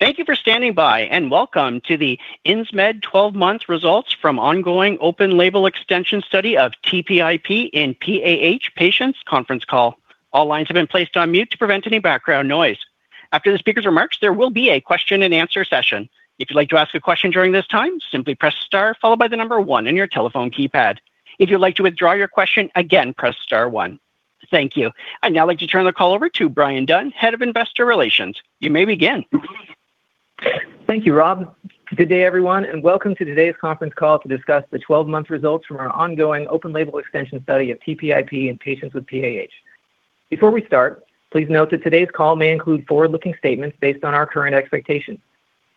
Thank you for standing by, and welcome to the Insmed 12-month results from ongoing open-label extension study of TPIP in PAH patients conference call. All lines have been placed on mute to prevent any background noise. After the speaker's remarks, there will be a question and answer session. If you'd like to ask a question during this time, simply press star, followed by the number one on your telephone keypad. If you'd like to withdraw your question, again, press star one. Thank you. I'd now like to turn the call over to Bryan Dunn, Head of Investor Relations. You may begin. Thank you, Rob. Good day, everyone, and welcome to today's conference call to discuss the 12-month results from our ongoing open-label extension study of TPIP in patients with PAH. Before we start, please note that today's call may include forward-looking statements based on our current expectations.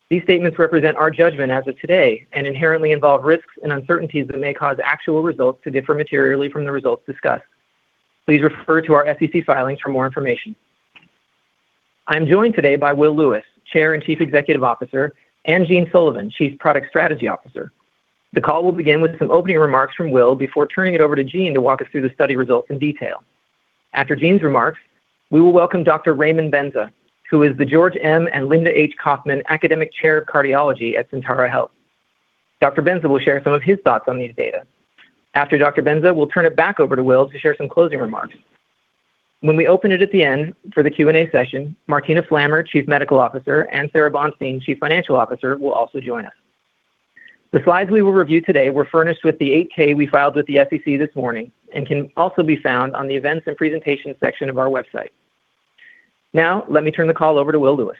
These statements represent our judgment as of today and inherently involve risks and uncertainties that may cause actual results to differ materially from the results discussed. Please refer to our SEC filings for more information. I'm joined today by Will Lewis, Chair and Chief Executive Officer, and Gene Sullivan, Chief Product Strategy Officer. The call will begin with some opening remarks from Will before turning it over to Gene to walk us through the study results in detail. After Gene's remarks, we will welcome Dr. Raymond Benza, who is the George M. and Linda H. Kaufman Academic Chair of Cardiology at Sentara Health. Dr. Benza will share some of his thoughts on these data. After Dr. Benza, we'll turn it back over to Will to share some closing remarks. When we open it at the end for the Q&A session, Martina Flammer, Chief Medical Officer, and Sara Bonstein, Chief Financial Officer, will also join us. The slides we will review today were furnished with the 8-K we filed with the SEC this morning and can also be found on the Events and Presentation section of our website. Now, let me turn the call over to Will Lewis.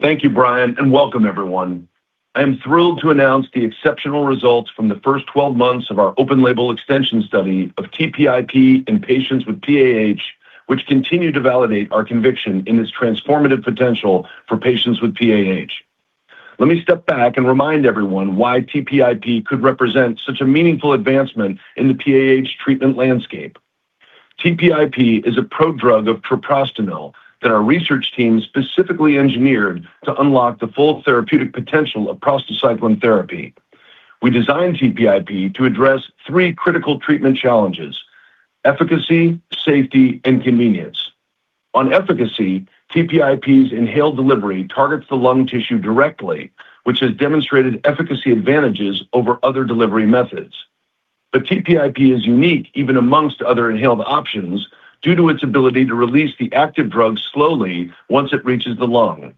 Thank you, Bryan, and welcome everyone. I'm thrilled to announce the exceptional results from the first 12 months of our open-label extension study of TPIP in patients with PAH, which continue to validate our conviction in this transformative potential for patients with PAH. Let me step back and remind everyone why TPIP could represent such a meaningful advancement in the PAH treatment landscape. TPIP is a prodrug of treprostinil that our research team specifically engineered to unlock the full therapeutic potential of prostacyclin therapy. We designed TPIP to address three critical treatment challenges: efficacy, safety, and convenience. On efficacy, TPIP's inhaled delivery targets the lung tissue directly, which has demonstrated efficacy advantages over other delivery methods. TPIP is unique even amongst other inhaled options due to its ability to release the active drug slowly once it reaches the lung.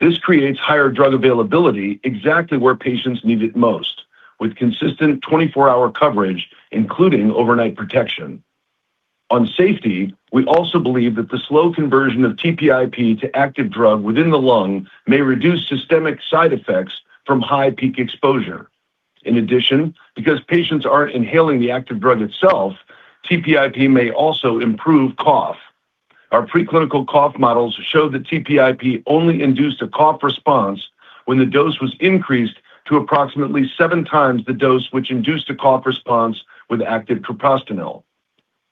This creates higher drug availability exactly where patients need it most. With consistent 24-hour coverage, including overnight protection. On safety, we also believe that the slow conversion of TPIP to active drug within the lung may reduce systemic side effects from high peak exposure. In addition, because patients aren't inhaling the active drug itself, TPIP may also improve cough. Our preclinical cough models show that TPIP only induced a cough response when the dose was increased to approximately 7x the dose which induced a cough response with active treprostinil.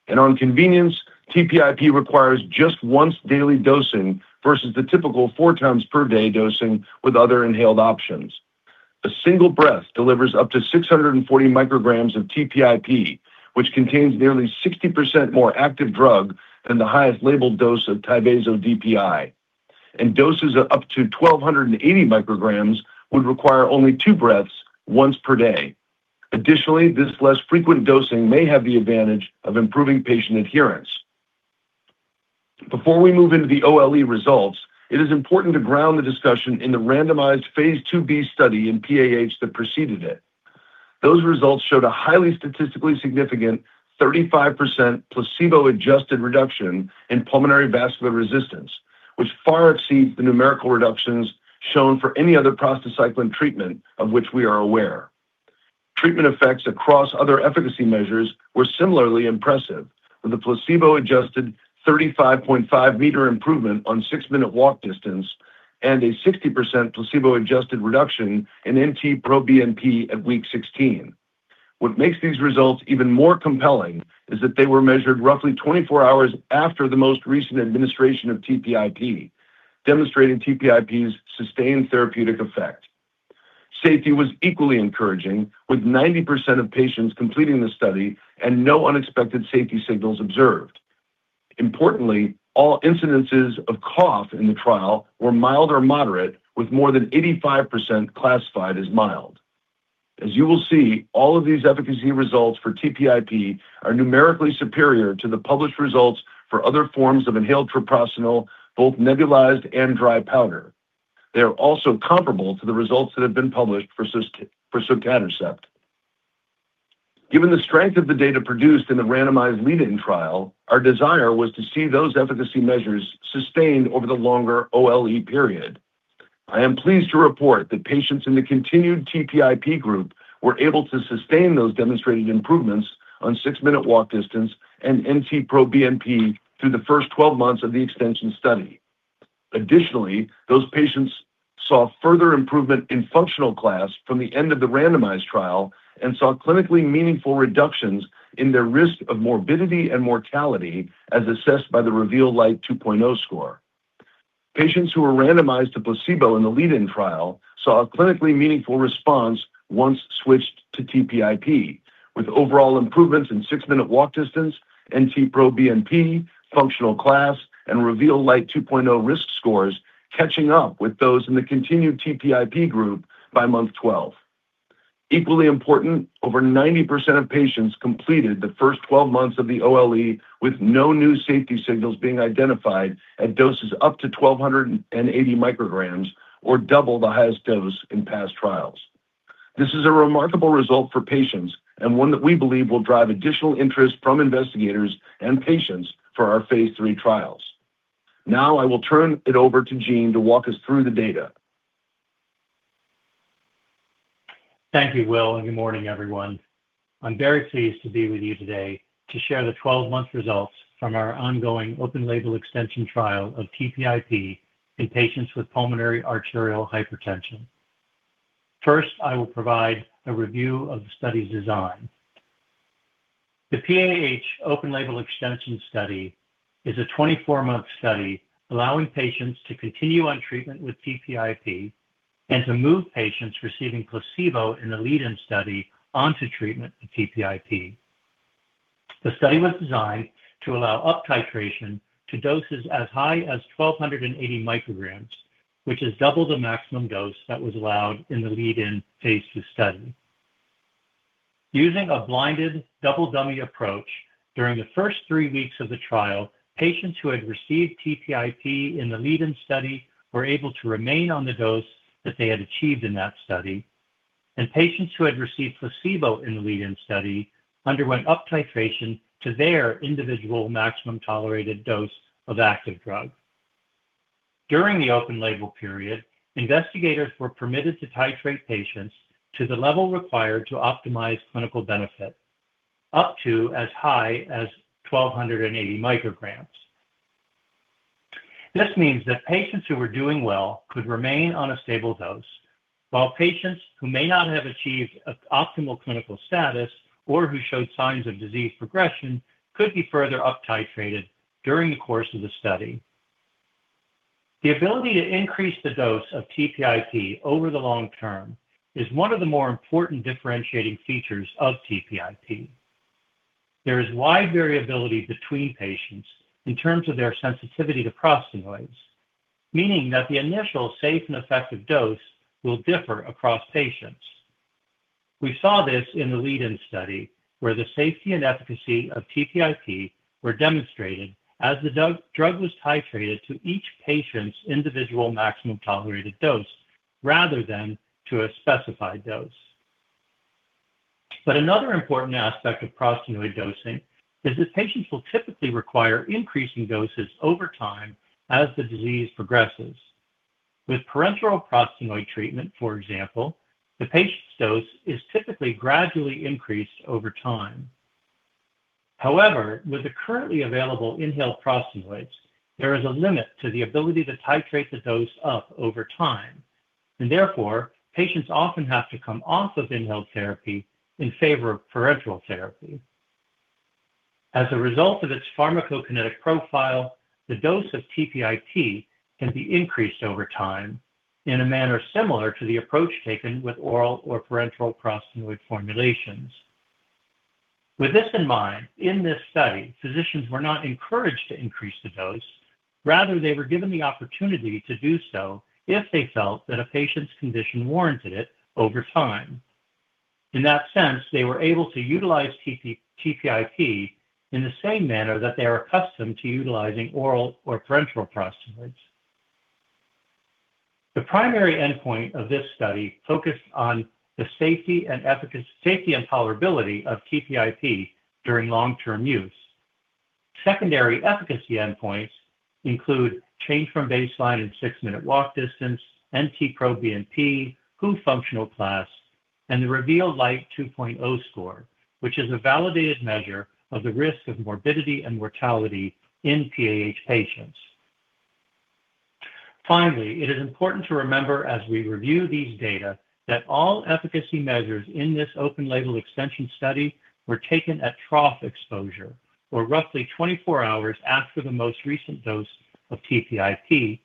On convenience, TPIP requires just once daily dosing versus the typical 4x per day dosing with other inhaled options. A single breath delivers up to 640 mcg of TPIP, which contains nearly 60% more active drug than the highest labeled dose of TYVASO DPI. Doses of up to 1,280 mcg would require only two breaths, once per day. Additionally, this less frequent dosing may have the advantage of improving patient adherence. Before we move into the OLE results, it is important to ground the discussion in the randomized phase II-B study in PAH that preceded it. Those results showed a highly statistically significant 35% placebo-adjusted reduction in pulmonary vascular resistance, which far exceeds the numerical reductions shown for any other prostacyclin treatment of which we are aware. Treatment effects across other efficacy measures were similarly impressive, with a placebo-adjusted 35.5 m improvement on six-minute walk distance and a 60% placebo-adjusted reduction in NT-proBNP at week 16. What makes these results even more compelling is that they were measured roughly 24 hours after the most recent administration of TPIP, demonstrating TPIP's sustained therapeutic effect. Safety was equally encouraging, with 90% of patients completing the study and no unexpected safety signals observed. Importantly, all incidences of cough in the trial were mild or moderate, with more than 85% classified as mild. As you will see, all of these efficacy results for TPIP are numerically superior to the published results for other forms of inhaled treprostinil, both nebulized and dry powder. They are also comparable to the results that have been published for sotatercept. Given the strength of the data produced in the randomized lead-in trial, our desire was to see those efficacy measures sustained over the longer OLE period. I am pleased to report that patients in the continued TPIP group were able to sustain those demonstrated improvements on six-minute walk distance and NT-proBNP through the first 12 months of the extension study. Additionally, those patients saw further improvement in Functional Class from the end of the randomized trial and saw clinically meaningful reductions in their risk of morbidity and mortality, as assessed by the REVEAL Lite 2.0 score. Patients who were randomized to placebo in the lead-in trial saw a clinically meaningful response once switched to TPIP, with overall improvements in six-minute walk distance, NT-proBNP, Functional Class, and REVEAL Lite 2.0 risk scores catching up with those in the continued TPIP group by month 12. Equally important, over 90% of patients completed the first 12 months of the OLE with no new safety signals being identified at doses up to 1,280 mcg or double the highest dose in past trials. This is a remarkable result for patients and one that we believe will drive additional interest from investigators and patients for our phase III trials. I will turn it over to Gene to walk us through the data. Thank you, Will. Good morning, everyone. I am very pleased to be with you today to share the 12-month results from our ongoing open-label extension trial of TPIP in patients with pulmonary arterial hypertension. First, I will provide a review of the study's design. The PAH open-label extension study is a 24-month study allowing patients to continue on treatment with TPIP and to move patients receiving placebo in the lead-in study onto treatment with TPIP. The study was designed to allow up titration to doses as high as 1,280 mcg, which is double the maximum dose that was allowed in the lead-in phase II study. Using a blinded double-dummy approach during the first three weeks of the trial, patients who had received TPIP in the lead-in study were able to remain on the dose that they had achieved in that study, and patients who had received placebo in the lead-in study underwent up titration to their individual maximum tolerated dose of active drug. During the open-label period, investigators were permitted to titrate patients to the level required to optimize clinical benefit, up to as high as 1,280 mcg. This means that patients who were doing well could remain on a stable dose, while patients who may not have achieved optimal clinical status or who showed signs of disease progression could be further up titrated during the course of the study. The ability to increase the dose of TPIP over the long term is one of the more important differentiating features of TPIP. There is wide variability between patients in terms of their sensitivity to prostanoids, meaning that the initial safe and effective dose will differ across patients. We saw this in the lead-in study where the safety and efficacy of TPIP were demonstrated as the drug was titrated to each patient's individual maximum tolerated dose rather than to a specified dose. Another important aspect of prostanoid dosing is that patients will typically require increasing doses over time as the disease progresses. With parenteral prostanoid treatment, for example, the patient's dose is typically gradually increased over time. However, with the currently available inhaled prostanoids, there is a limit to the ability to titrate the dose up over time, and therefore, patients often have to come off of inhaled therapy in favor of parenteral therapy. As a result of its pharmacokinetic profile, the dose of TPIP can be increased over time in a manner similar to the approach taken with oral or parenteral prostanoid formulations. With this in mind, in this study, physicians were not encouraged to increase the dose. Rather, they were given the opportunity to do so if they felt that a patient's condition warranted it over time. In that sense, they were able to utilize TPIP in the same manner that they are accustomed to utilizing oral or parenteral prostanoids. The primary endpoint of this study focused on the safety and tolerability of TPIP during long-term use. Secondary efficacy endpoints include change from baseline and six-minute walk distance, NT-proBNP, WHO Functional Class, and the REVEAL Lite 2.0 score, which is a validated measure of the risk of morbidity and mortality in PAH patients. Finally, it is important to remember as we review these data, that all efficacy measures in this open-label extension study were taken at trough exposure or roughly 24 hours after the most recent dose of TPIP,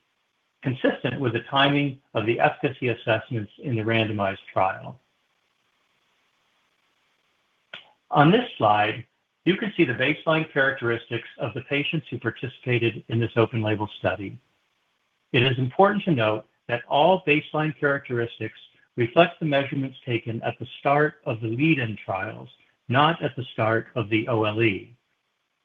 consistent with the timing of the efficacy assessments in the randomized trial. On this slide, you can see the baseline characteristics of the patients who participated in this open-label study. It is important to note that all baseline characteristics reflect the measurements taken at the start of the lead-in trials, not at the start of the OLE.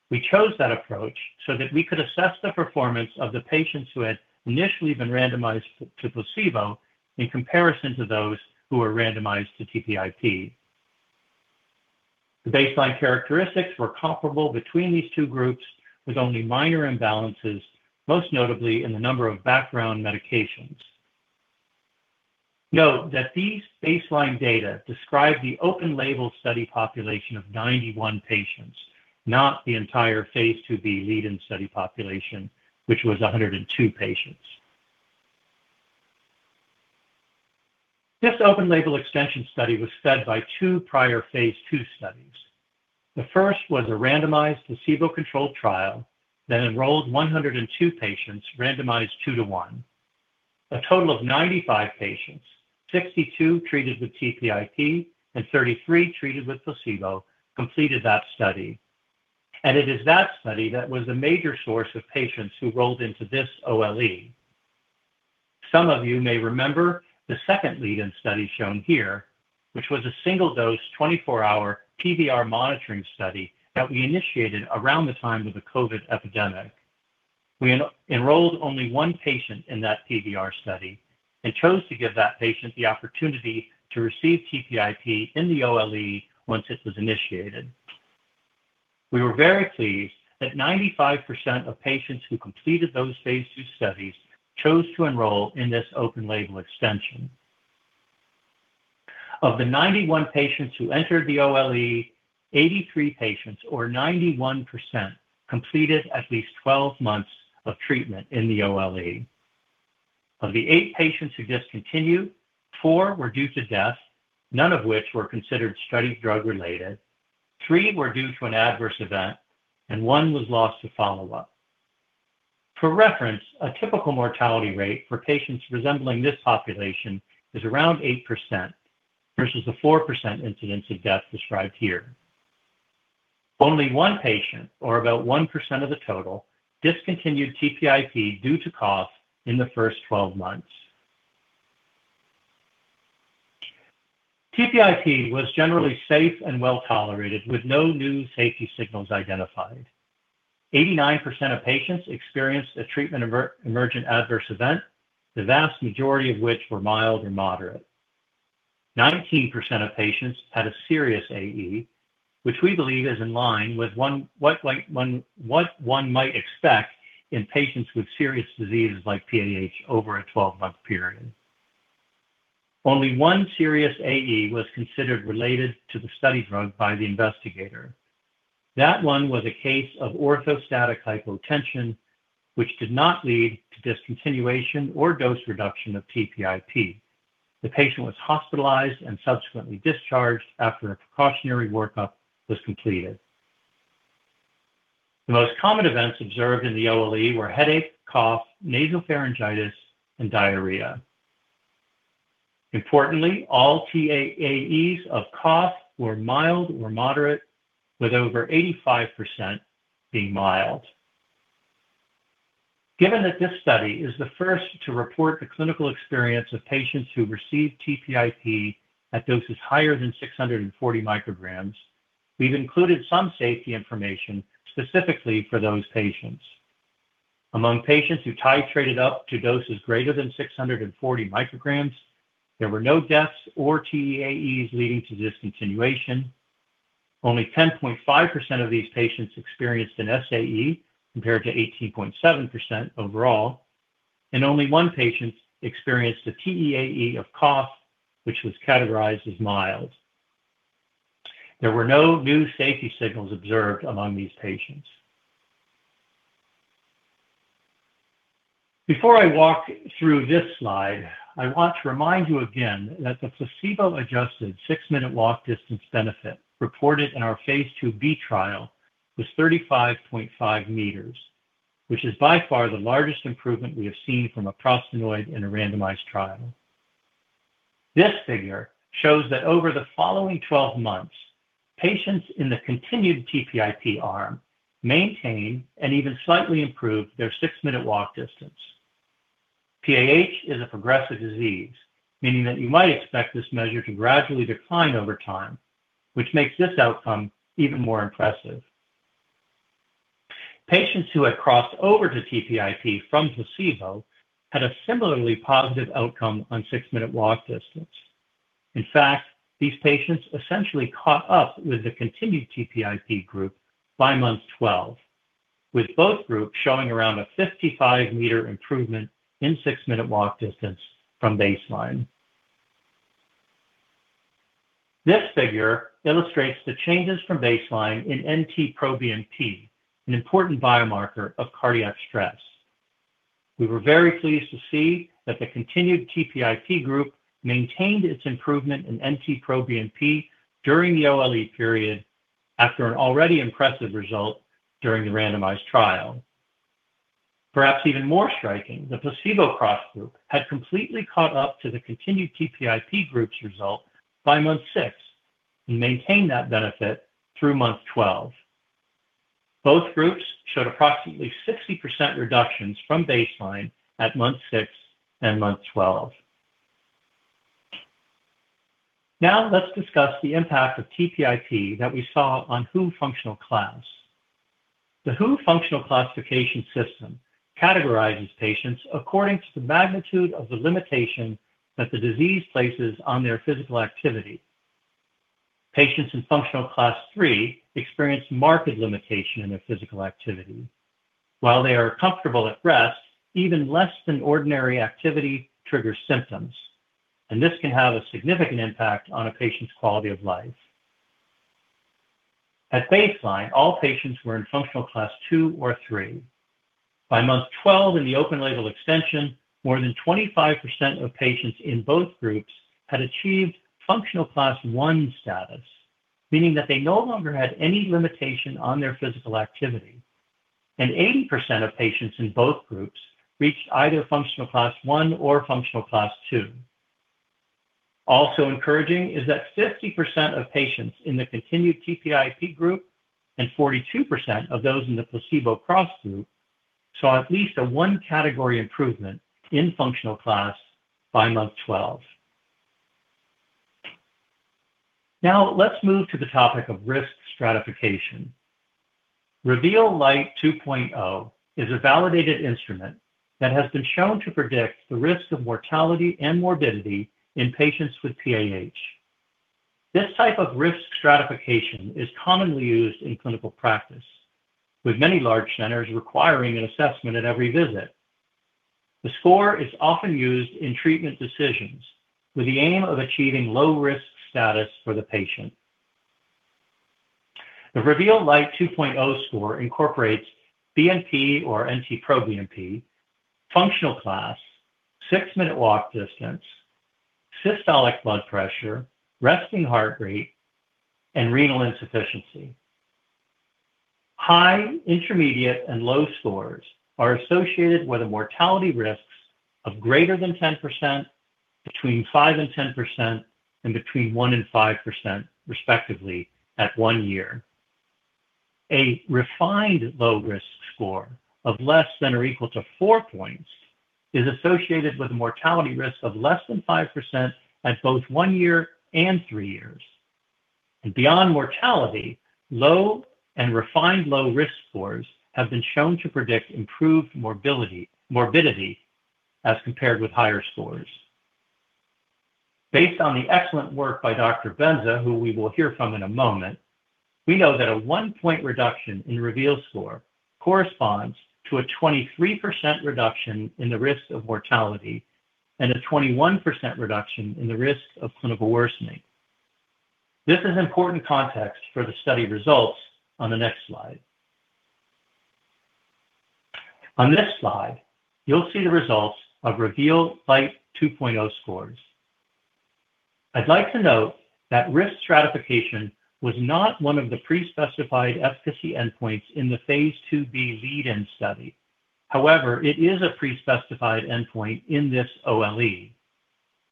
We chose that approach so that we could assess the performance of the patients who had initially been randomized to placebo in comparison to those who were randomized to TPIP. The baseline characteristics were comparable between these two groups with only minor imbalances, most notably in the number of background medications. Note that these baseline data describe the open-label study population of 91 patients, not the entire phase II-B lead-in study population, which was 102 patients. This open-label extension study was fed by two prior phase II studies. The first was a randomized, placebo-controlled trial that enrolled 102 patients randomized two to one. A total of 95 patients, 62 treated with TPIP and 33 treated with placebo, completed that study. It is that study that was a major source of patients who rolled into this OLE. Some of you may remember the second lead-in study shown here, which was a single-dose, 24-hour PVR monitoring study that we initiated around the time of the COVID epidemic. We enrolled only one patient in that PVR study and chose to give that patient the opportunity to receive TPIP in the OLE once it was initiated. We were very pleased that 95% of patients who completed those phase II studies chose to enroll in this open-label extension. Of the 91 patients who entered the OLE, 83 patients, or 91%, completed at least 12 months of treatment in the OLE. Of the eight patients who discontinued, four were due to death, none of which were considered study drug-related, three were due to an adverse event, and one was lost to follow-up. For reference, a typical mortality rate for patients resembling this population is around 8%, versus the 4% incidence of death described here. Only one patient, or about 1% of the total, discontinued TPIP due to cost in the first 12 months. TPIP was generally safe and well-tolerated with no new safety signals identified. 89% of patients experienced a treatment-emergent adverse event, the vast majority of which were mild or moderate. 19% of patients had a serious AE, which we believe is in line with what one might expect in patients with serious diseases like PAH over a 12-month period. Only one serious AE was considered related to the study drug by the investigator. That one was a case of orthostatic hypotension, which did not lead to discontinuation or dose reduction of TPIP. The patient was hospitalized and subsequently discharged after a precautionary workup was completed. The most common events observed in the OLE were headache, cough, nasopharyngitis, and diarrhea. Importantly, all TEAEs of cough were mild or moderate, with over 85% being mild. Given that this study is the first to report the clinical experience of patients who received TPIP at doses higher than 640 mcg, we've included some safety information specifically for those patients. Among patients who titrated up to doses greater than 640 mcg, there were no deaths or TEAEs leading to discontinuation. Only 10.5% of these patients experienced an SAE, compared to 18.7% overall, and only one patient experienced a TEAE of cough, which was categorized as mild. There were no new safety signals observed among these patients. Before I walk through this slide, I want to remind you again that the placebo-adjusted six-minute walk distance benefit reported in our phase II-B trial was 35.5 m, which is by far the largest improvement we have seen from a prostanoid in a randomized trial. This figure shows that over the following 12 months, patients in the continued TPIP arm maintained and even slightly improved their six-minute walk distance. PAH is a progressive disease, meaning that you might expect this measure to gradually decline over time, which makes this outcome even more impressive. Patients who had crossed over to TPIP from placebo had a similarly positive outcome on six-minute walk distance. In fact, these patients essentially caught up with the continued TPIP group by month 12, with both groups showing around a 55 m improvement in six-minute walk distance from baseline. This figure illustrates the changes from baseline in NT-proBNP, an important biomarker of cardiac stress. We were very pleased to see that the continued TPIP group maintained its improvement in NT-proBNP during the OLE period after an already impressive result during the randomized trial. Perhaps even more striking, the placebo cross group had completely caught up to the continued TPIP group's result by month six and maintained that benefit through month 12. Both groups showed approximately 60% reductions from baseline at month six and month 12. Now let's discuss the impact of TPIP that we saw on WHO Functional Class. The WHO Functional Classification system categorizes patients according to the magnitude of the limitation that the disease places on their physical activity. Patients in Functional Class III experience marked limitation in their physical activity. While they are comfortable at rest, even less than ordinary activity triggers symptoms, and this can have a significant impact on a patient's quality of life. At baseline, all patients were in Functional Class II or III. By month 12 in the open-label extension, more than 25% of patients in both groups had achieved Functional Class I status, meaning that they no longer had any limitation on their physical activity. And 80% of patients in both groups reached either Functional Class I or Functional Class II. Also encouraging is that 50% of patients in the continued TPIP group and 42% of those in the placebo cross group saw at least a one-category improvement in Functional Class by month 12. Let's move to the topic of risk stratification. REVEAL Lite 2.0 is a validated instrument that has been shown to predict the risk of mortality and morbidity in patients with PAH. This type of risk stratification is commonly used in clinical practice, with many large centers requiring an assessment at every visit. The score is often used in treatment decisions with the aim of achieving low-risk status for the patient. The REVEAL Lite 2.0 score incorporates BNP or NT-proBNP, Functional Class, six-minute walk distance, systolic blood pressure, resting heart rate, and renal insufficiency. High, intermediate, and low scores are associated with a mortality risks of greater than 10%, between 5% and 10%, and between 1% and 5%, respectively, at one year. Beyond mortality, low and refined low-risk scores have been shown to predict improved morbidity as compared with higher scores. Based on the excellent work by Dr. Benza, who we will hear from in a moment, we know that a one-point reduction in REVEAL score corresponds to a 23% reduction in the risk of mortality and a 21% reduction in the risk of clinical worsening. This is important context for the study results on the next slide. On this slide, you'll see the results of REVEAL Lite 2.0 scores. I'd like to note that risk stratification was not one of the pre-specified efficacy endpoints in the phase II-B lead-in study. However, it is a pre-specified endpoint in this OLE.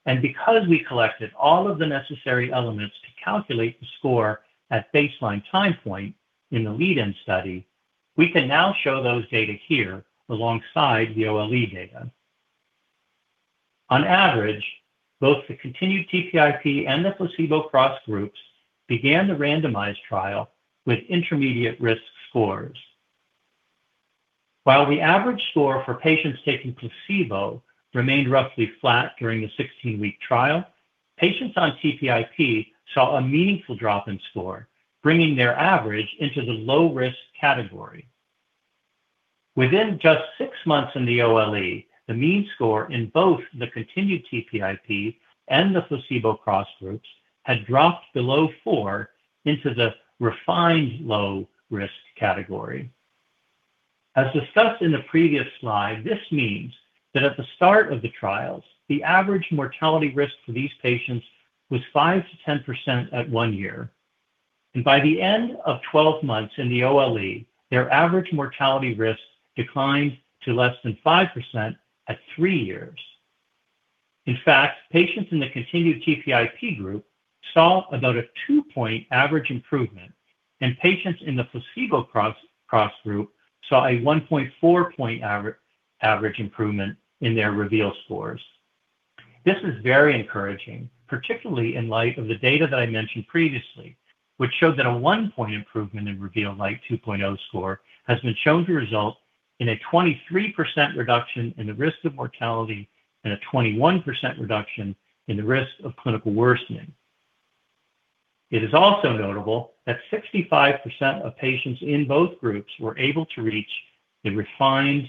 Because we collected all of the necessary elements to calculate the score at baseline time point in the lead-in study, we can now show those data here alongside the OLE data. On average, both the continued TPIP and the placebo cross groups began the randomized trial with intermediate risk scores. While the average score for patients taking placebo remained roughly flat during the 16-week trial, patients on TPIP saw a meaningful drop in score, bringing their average into the low-risk category. Within just six months in the OLE, the mean score in both the continued TPIP and the placebo cross groups had dropped below four into the refined low-risk category. As discussed in the previous slide, this means that at the start of the trials, the average mortality risk for these patients was 5% to 10% at one year. By the end of 12 months in the OLE, their average mortality risk declined to less than 5% at three years. In fact, patients in the continued TPIP group saw about a two-point average improvement, and patients in the placebo cross group saw a 1.4 point average improvement in their REVEAL scores. This is very encouraging, particularly in light of the data that I mentioned previously, which showed that a one-point improvement in REVEAL Lite 2.0 score has been shown to result in a 23% reduction in the risk of mortality and a 21% reduction in the risk of clinical worsening. It is also notable that 65% of patients in both groups were able to reach the refined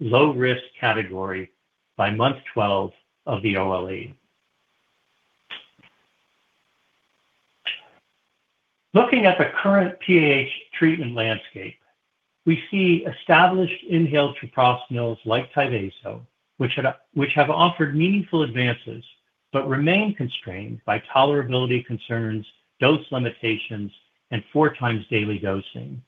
low-risk category by month 12 of the OLE. Looking at the current PAH treatment landscape, we see established inhaled treprostinil like TYVASO, which have offered meaningful advances but remain constrained by tolerability concerns, dose limitations, and 4x daily dosing.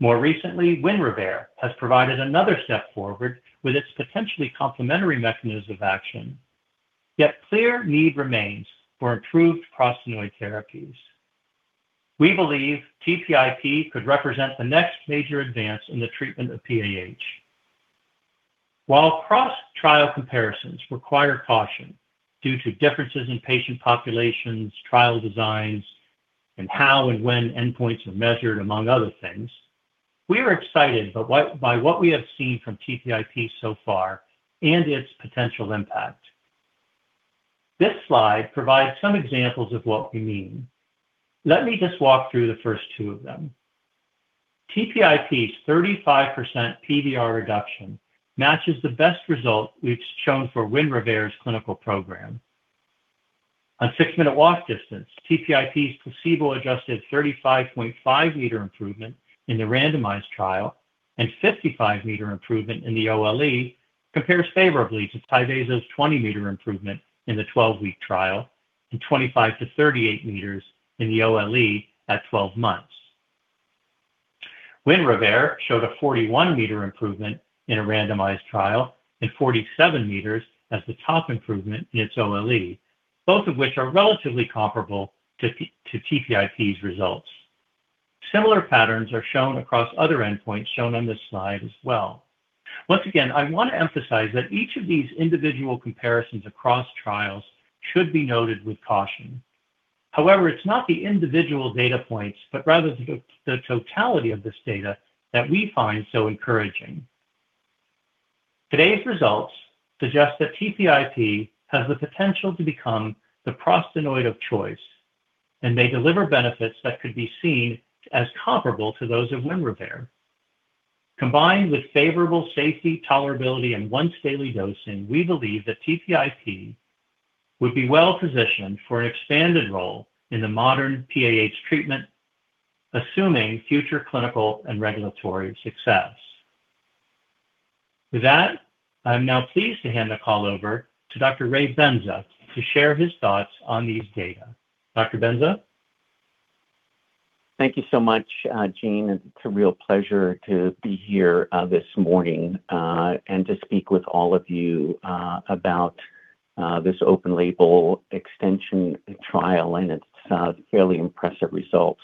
More recently, WINREVAIR has provided another step forward with its potentially complementary mechanism of action, yet clear need remains for improved prostanoid therapies. We believe TPIP could represent the next major advance in the treatment of PAH. While cross-trial comparisons require caution due to differences in patient populations, trial designs, and how and when endpoints are measured, among other things, we are excited by what we have seen from TPIP so far and its potential impact. This slide provides some examples of what we mean. Let me just walk through the first two of them. TPIP's 35% PVR reduction matches the best result we've shown for WINREVAIR's clinical program. On six-minute walk distance, TPIP's placebo-adjusted 35.5 m improvement in the randomized trial and 55 m improvement in the OLE compares favorably to TYVASO's 20 m improvement in the 12-week trial and 25 to 38 m in the OLE at 12 months. WINREVAIR showed a 41 m improvement in a randomized trial and 47 m as the top improvement in its OLE, both of which are relatively comparable to TPIP's results. Similar patterns are shown across other endpoints shown on this slide as well. Once again, I want to emphasize that each of these individual comparisons across trials should be noted with caution. However, it's not the individual data points, but rather the totality of this data that we find so encouraging. Today's results suggest that TPIP has the potential to become the prostanoid of choice and may deliver benefits that could be seen as comparable to those of WINREVAIR. Combined with favorable safety, tolerability, and once-daily dosing, we believe that TPIP would be well-positioned for an expanded role in the modern PAH treatment, assuming future clinical and regulatory success. With that, I'm now pleased to hand the call over to Dr. Raymond Benza to share his thoughts on these data. Dr. Benza? Thank you so much, Gene. It's a real pleasure to be here this morning and to speak with all of you about this open-label extension trial and its fairly impressive results.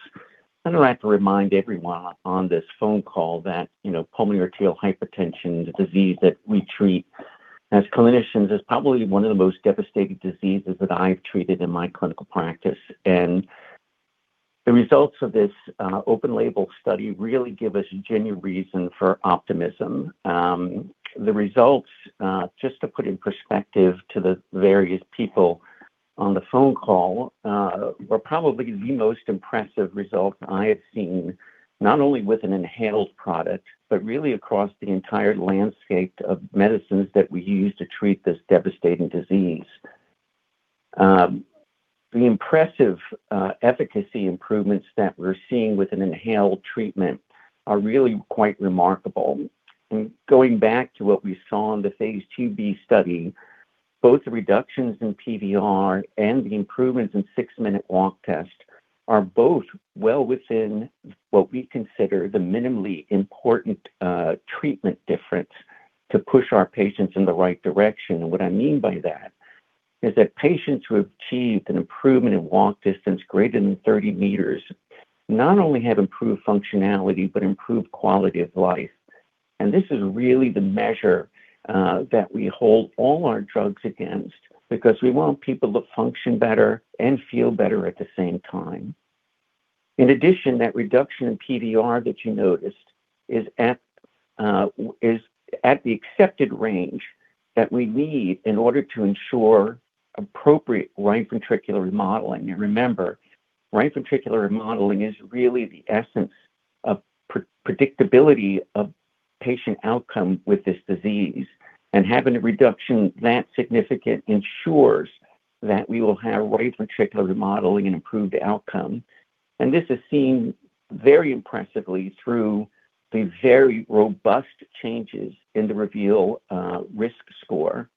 I'd like to remind everyone on this phone call that pulmonary arterial hypertension is a disease that we treat as clinicians, is probably one of the most devastating diseases that I've treated in my clinical practice. The results of this open-label study really give us genuine reason for optimism. The results, just to put in perspective to the various people on the phone call, were probably the most impressive results I have seen, not only with an inhaled product, but really across the entire landscape of medicines that we use to treat this devastating disease. The impressive efficacy improvements that we're seeing with an inhaled treatment are really quite remarkable. Going back to what we saw in the phase II-B study, both the reductions in PVR and the improvements in six-minute walk test are both well within what we consider the minimally important treatment difference to push our patients in the right direction. What I mean by that is that patients who achieved an improvement in walk distance greater than 30 m not only have improved functionality, but improved quality of life. This is really the measure that we hold all our drugs against because we want people to function better and feel better at the same time. In addition, that reduction in PVR that you noticed is at the accepted range that we need in order to ensure appropriate right ventricular remodeling. Remember, right ventricular remodeling is really the essence of predictability of patient outcome with this disease. Having a reduction that significant ensures that we will have right ventricular remodeling and improved outcome. This is seen very impressively through the very robust changes in the REVEAL risk score.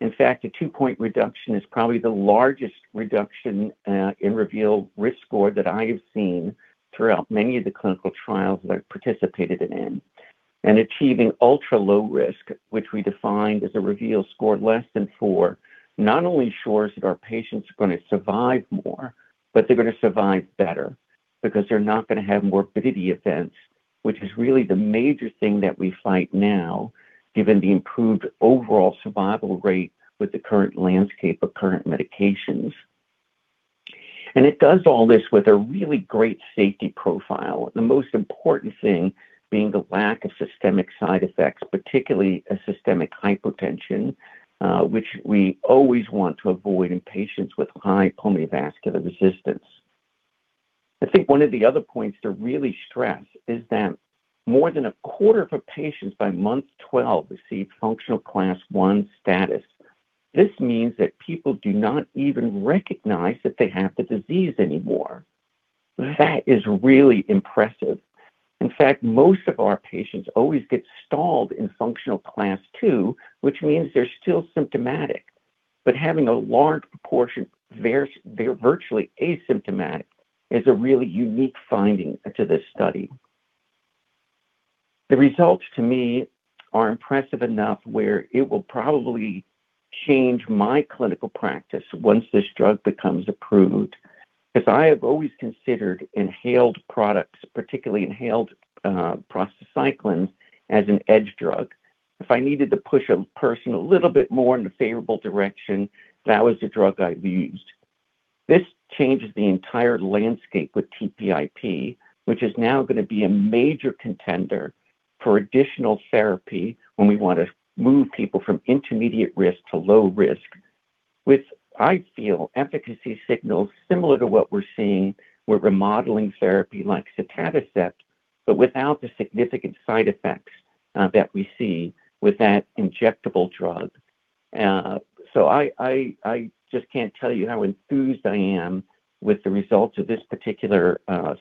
In fact, a two-point reduction is probably the largest reduction in REVEAL risk score that I have seen throughout many of the clinical trials that I've participated in. Achieving ultra-low risk, which we defined as a REVEAL score less than four, not only ensures that our patients are going to survive more, but they're going to survive better because they're not going to have morbidity events, which is really the major thing that we fight now, given the improved overall survival rate with the current landscape of current medications. It does all this with a really great safety profile. The most important thing being the lack of systemic side effects, particularly a systemic hypotension, which we always want to avoid in patients with high pulmonary vascular resistance. I think one of the other points to really stress is that more than a quarter of patients by month 12 received Functional Class I status. This means that people do not even recognize that they have the disease anymore. That is really impressive. In fact, most of our patients always get stalled in Functional Class II, which means they're still symptomatic. Having a large proportion virtually asymptomatic is a really unique finding to this study. The results to me are impressive enough where it will probably change my clinical practice once this drug becomes approved. As I have always considered inhaled products, particularly inhaled prostacyclins, as an edge drug. If I needed to push a person a little bit more in a favorable direction, that was the drug I've used. This changes the entire landscape with TPIP, which is now going to be a major contender for additional therapy when we want to move people from intermediate-risk to low-risk with, I feel, efficacy signals similar to what we're seeing with remodeling therapy like sotatercept, but without the significant side effects that we see with that injectable drug. I just can't tell you how enthused I am with the results of this particular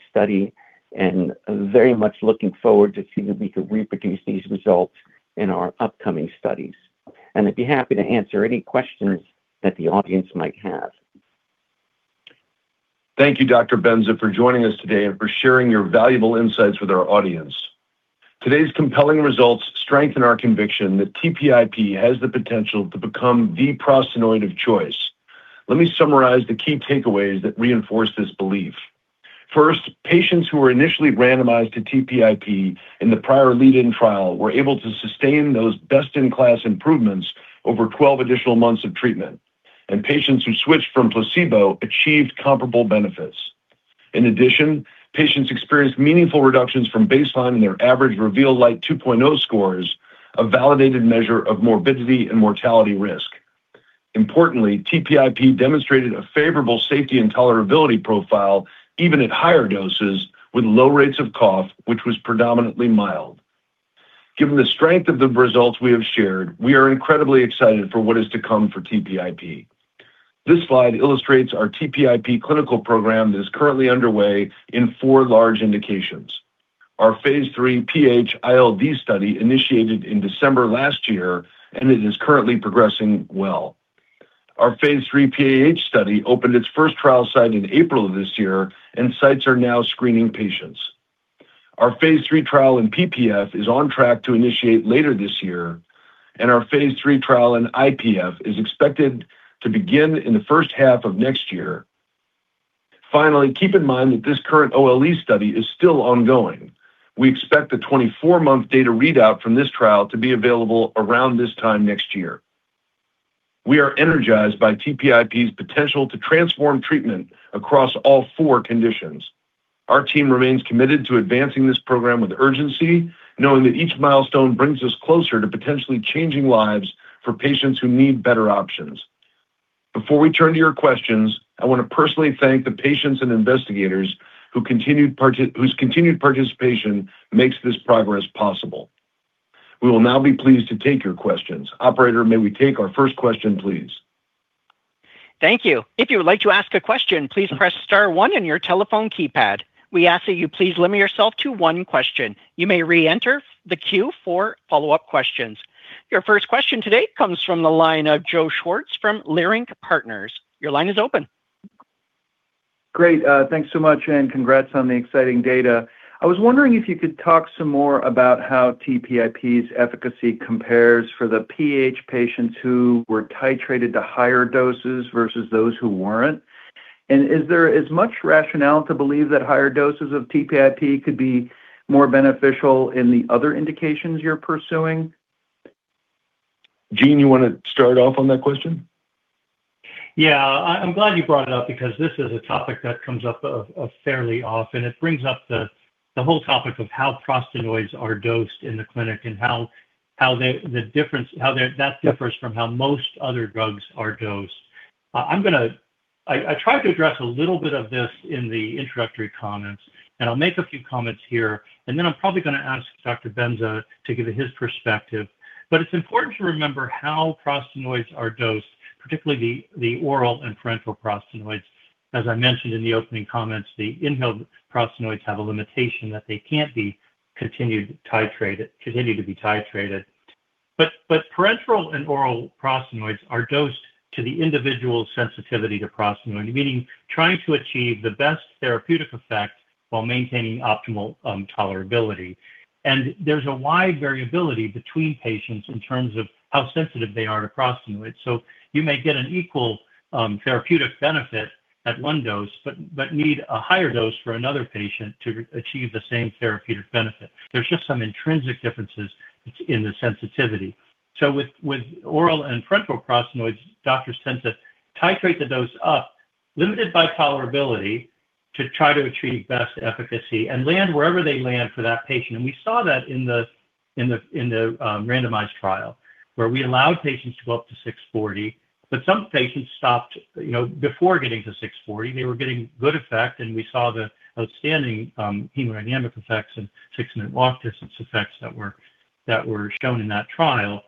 study and very much looking forward to seeing if we could reproduce these results in our upcoming studies. I'd be happy to answer any questions that the audience might have. Thank you, Dr. Benza, for joining us today and for sharing your valuable insights with our audience. Today's compelling results strengthen our conviction that TPIP has the potential to become the prostanoid of choice. Let me summarize the key takeaways that reinforce this belief. First, patients who were initially randomized to TPIP in the prior lead-in trial were able to sustain those best-in-class improvements over 12 additional months of treatment, and patients who switched from placebo achieved comparable benefits. In addition, patients experienced meaningful reductions from baseline in their average REVEAL Lite 2.0 scores, a validated measure of morbidity and mortality risk. Importantly, TPIP demonstrated a favorable safety and tolerability profile even at higher doses with low rates of cough, which was predominantly mild. Given the strength of the results we have shared, we are incredibly excited for what is to come for TPIP. This slide illustrates our TPIP clinical program that is currently underway in four large indications. Our phase III PH-ILD study initiated in December last year, it is currently progressing well. Our phase III PAH study opened its first trial site in April of this year, sites are now screening patients. Our phase III trial in PPF is on track to initiate later this year, our phase III trial in IPF is expected to begin in the first half of next year. Finally, keep in mind that this current OLE study is still ongoing. We expect the 24-month data readout from this trial to be available around this time next year. We are energized by TPIP's potential to transform treatment across all four conditions. Our team remains committed to advancing this program with urgency, knowing that each milestone brings us closer to potentially changing lives for patients who need better options. Before we turn to your questions, I want to personally thank the patients and investigators whose continued participation makes this progress possible. We will now be pleased to take your questions. Operator, may we take our first question, please? Thank you. If you would like to ask a question, please press star one on your telephone keypad. We ask that you please limit yourself to one question. You may reenter the queue for follow-up questions. Your first question today comes from the line of Joseph Schwartz from Leerink Partners. Your line is open. Great. Thanks so much, and congrats on the exciting data. I was wondering if you could talk some more about how TPIP's efficacy compares for the PAH patients who were titrated to higher doses versus those who weren't. Is there as much rationale to believe that higher doses of TPIP could be more beneficial in the other indications you're pursuing? Gene, you want to start off on that question? Yeah. I'm glad you brought it up because this is a topic that comes up fairly often. It brings up the whole topic of how prostanoids are dosed in the clinic and how that differs from how most other drugs are dosed. I tried to address a little bit of this in the introductory comments. I'll make a few comments here. I'm probably going to ask Dr. Benza to give his perspective. It's important to remember how prostanoids are dosed, particularly the oral and parenteral prostanoids. As I mentioned in the opening comments, the inhaled prostanoids have a limitation that they can't continue to be titrated. Parenteral and oral prostanoids are dosed to the individual's sensitivity to prostanoid, meaning trying to achieve the best therapeutic effect while maintaining optimal tolerability. There's a wide variability between patients in terms of how sensitive they are to prostanoids. You may get an equal therapeutic benefit at one dose, but need a higher dose for another patient to achieve the same therapeutic benefit. There's just some intrinsic differences in the sensitivity. With oral and parenteral prostanoids, doctors tend to titrate the dose up, limited by tolerability, to try to achieve best efficacy and land wherever they land for that patient. We saw that in the randomized trial, where we allowed patients to go up to 640 mcg, but some patients stopped before getting to 640 mcg. They were getting good effect. We saw the outstanding hemodynamic effects and six-minute walk distance effects that were shown in that trial.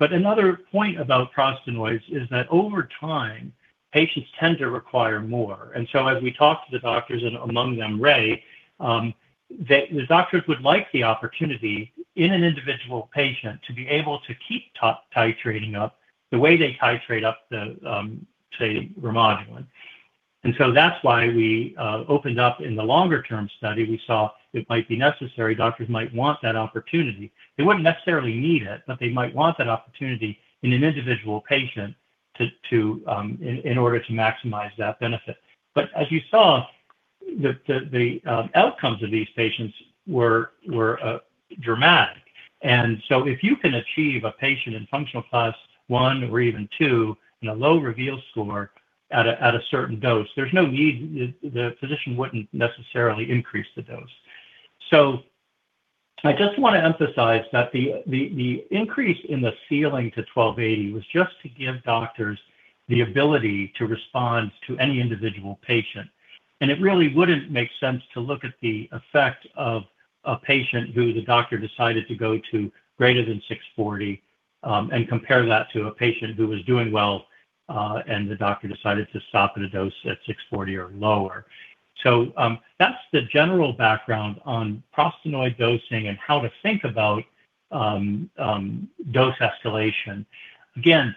Another point about prostanoids is that over time, patients tend to require more. As we talk to the doctors, and among them, the doctors would like the opportunity in an individual patient to be able to keep titrating up the way they titrate up the, say, Remodulin. That's why we opened up in the longer-term study, we saw it might be necessary. Doctors might want that opportunity. They wouldn't necessarily need it, but they might want that opportunity in an individual patient in order to maximize that benefit. As you saw, the outcomes of these patients were dramatic. If you can achieve a patient in Functional Class I or even II in a low REVEAL score at a certain dose, there's no need. The physician wouldn't necessarily increase the dose. I just want to emphasize that the increase in the ceiling to 1,280 mcg was just to give doctors the ability to respond to any individual patient. It really wouldn't make sense to look at the effect of a patient who the doctor decided to go to greater than 640 mcg and compare that to a patient who was doing well and the doctor decided to stop at a dose at 640 mcg or lower. That's the general background on prostanoid dosing and how to think about dose escalation. Again,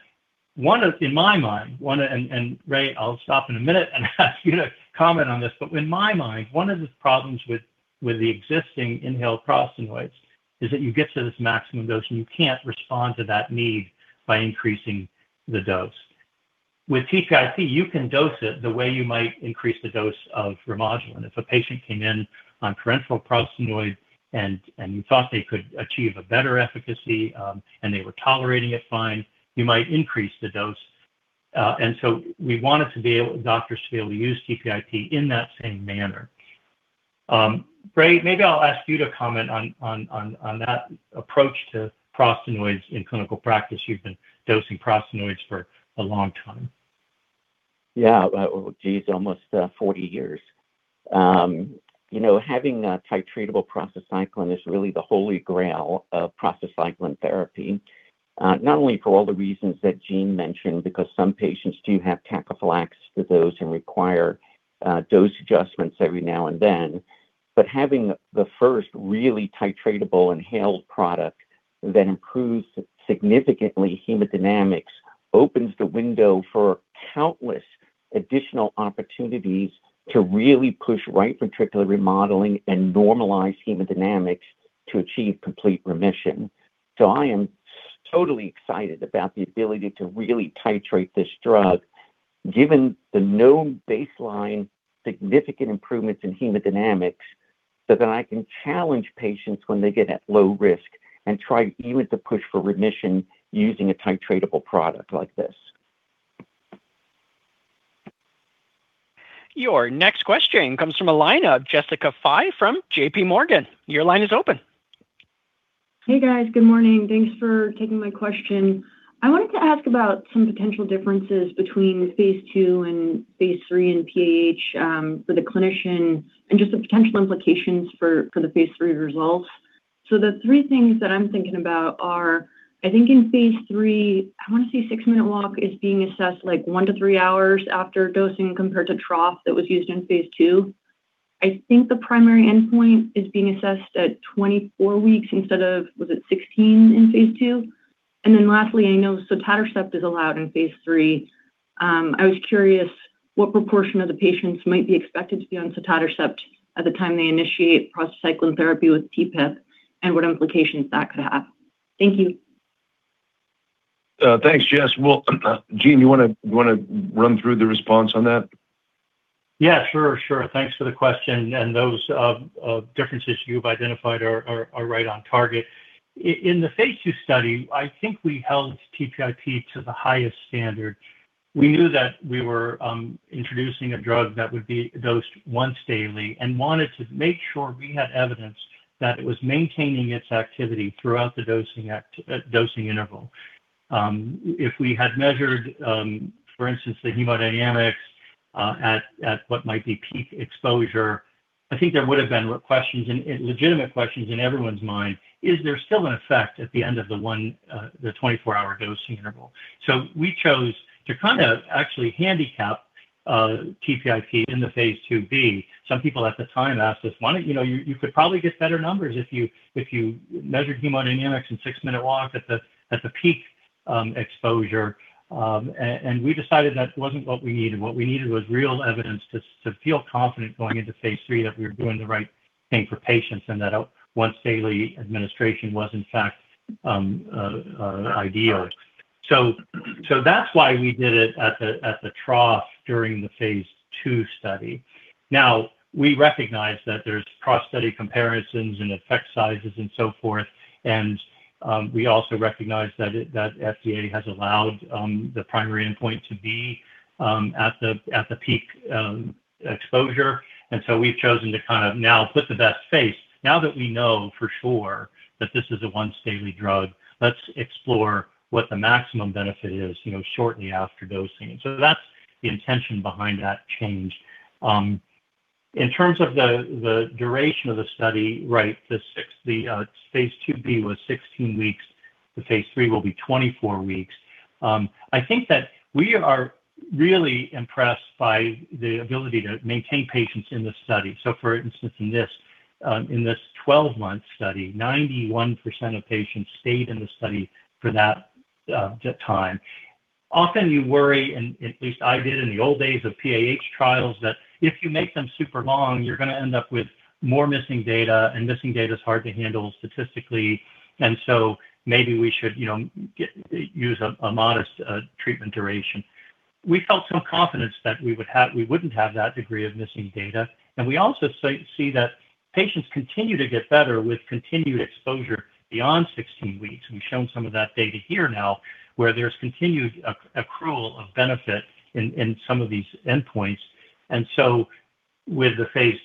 in my mind, and Raymond, I'll stop in a minute and ask you to comment on this, but in my mind, one of the problems with the existing inhaled prostanoids is that you get to this maximum dose, and you can't respond to that need by increasing the dose. With TPIP, you can dose it the way you might increase the dose of Remodulin. If a patient came in on parenteral prostanoid, and you thought they could achieve a better efficacy, and they were tolerating it fine, you might increase the dose. We wanted doctors to be able to use TPIP in that same manner. Raymond, maybe I'll ask you to comment on that approach to prostanoids in clinical practice. You've been dosing prostanoids for a long time. Almost 40 years. Having a titratable prostacyclin is really the holy grail of prostacyclin therapy. Not only for all the reasons that Gene mentioned, because some patients do have tachyphylaxis to those and require dose adjustments every now and then. Having the first really titratable inhaled product that improves significantly hemodynamics, opens the window for countless additional opportunities to really push right ventricular remodeling and normalize hemodynamics to achieve complete remission. I am totally excited about the ability to really titrate this drug given the known baseline significant improvements in hemodynamics, so that I can challenge patients when they get at low-risk and try even to push for remission using a titratable product like this. Your next question comes from a line of Jessica Fye from JPMorgan. Your line is open. Hey, guys. Good morning. Thanks for taking my question. I wanted to ask about some potential differences between phase II and phase III in PAH for the clinician, and just the potential implications for the phase III results. The three things that I'm thinking about are, I think in phase III, I want to say six-minute walk is being assessed like one to three hours after dosing compared to trough that was used in phase II. I think the primary endpoint is being assessed at 24 weeks instead of, was it 16 in phase II? Lastly, I know sotatercept is allowed in phase III. I was curious what proportion of the patients might be expected to be on sotatercept at the time they initiate prostacyclin therapy with TPIP, and what implications that could have? Thank you. Thanks, Jessica. Well, Gene, you want to run through the response on that? Yeah, sure. Thanks for the question. Those differences you've identified are right on target. In the phase II study, I think we held TPIP to the highest standard. We knew that we were introducing a drug that would be dosed once daily and wanted to make sure we had evidence that it was maintaining its activity throughout the dosing interval. If we had measured, for instance, the hemodynamics at what might be peak exposure, I think there would've been legitimate questions in everyone's mind, is there still an effect at the end of the 24-hour dosing interval? We chose to kind of actually handicap TPIP in the phase II-B. Some people at the time asked us, "You could probably get better numbers if you measured hemodynamics and six-minute walk at the peak exposure." We decided that wasn't what we needed. What we needed was real evidence to feel confident going into phase III that we were doing the right thing for patients, and that a once-daily administration was, in fact, ideal. That's why we did it at the trough during the phase II study. We recognize that there's cross-study comparisons and effect sizes and so forth, and we also recognize that FDA has allowed the primary endpoint to be at the peak exposure. We've chosen to kind of now put the best face. Now that we know for sure that this is a once-daily drug, let's explore what the maximum benefit is shortly after dosing. That's the intention behind that change. In terms of the duration of the study, right, the phase II-B was 16 weeks. The phase III will be 24 weeks. I think that we are really impressed by the ability to maintain patients in the study. For instance, in this 12-month study, 91% of patients stayed in the study for that time. Often, you worry, and at least I did in the old days of PAH trials, that if you make them super long, you're going to end up with more missing data, and missing data is hard to handle statistically. Maybe we should use a modest treatment duration. We felt so confident that we wouldn't have that degree of missing data, and we also see that patients continue to get better with continued exposure beyond 16 weeks. We've shown some of that data here now, where there's continued accrual of benefit in some of these endpoints. With the phase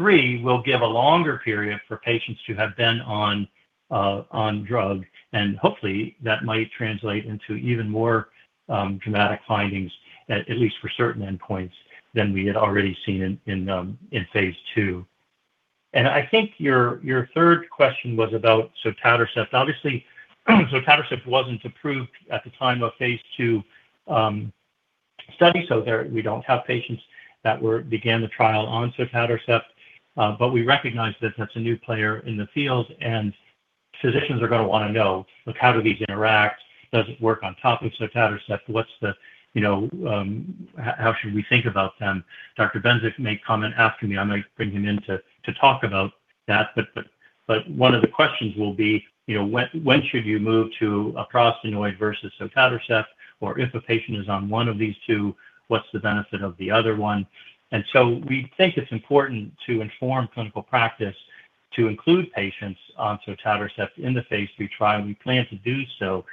III, we'll give a longer period for patients to have been on drug, and hopefully, that might translate into even more dramatic findings at least for certain endpoints than we had already seen in phase II. I think your third question was about sotatercept. Obviously, sotatercept wasn't approved at the time of phase II study, so we don't have patients that began the trial on sotatercept. We recognize that that's a new player in the field, and physicians are going to want to know how do these interact? Does it work on top of sotatercept? How should we think about them? Dr. Benza may comment after me. I might bring him in to talk about that. One of the questions will be, when should you move to a prostanoid versus sotatercept? If a patient is on one of these two, what's the benefit of the other one? We think it's important to inform clinical practice to include patients on sotatercept in the phase II trial. We plan to do so,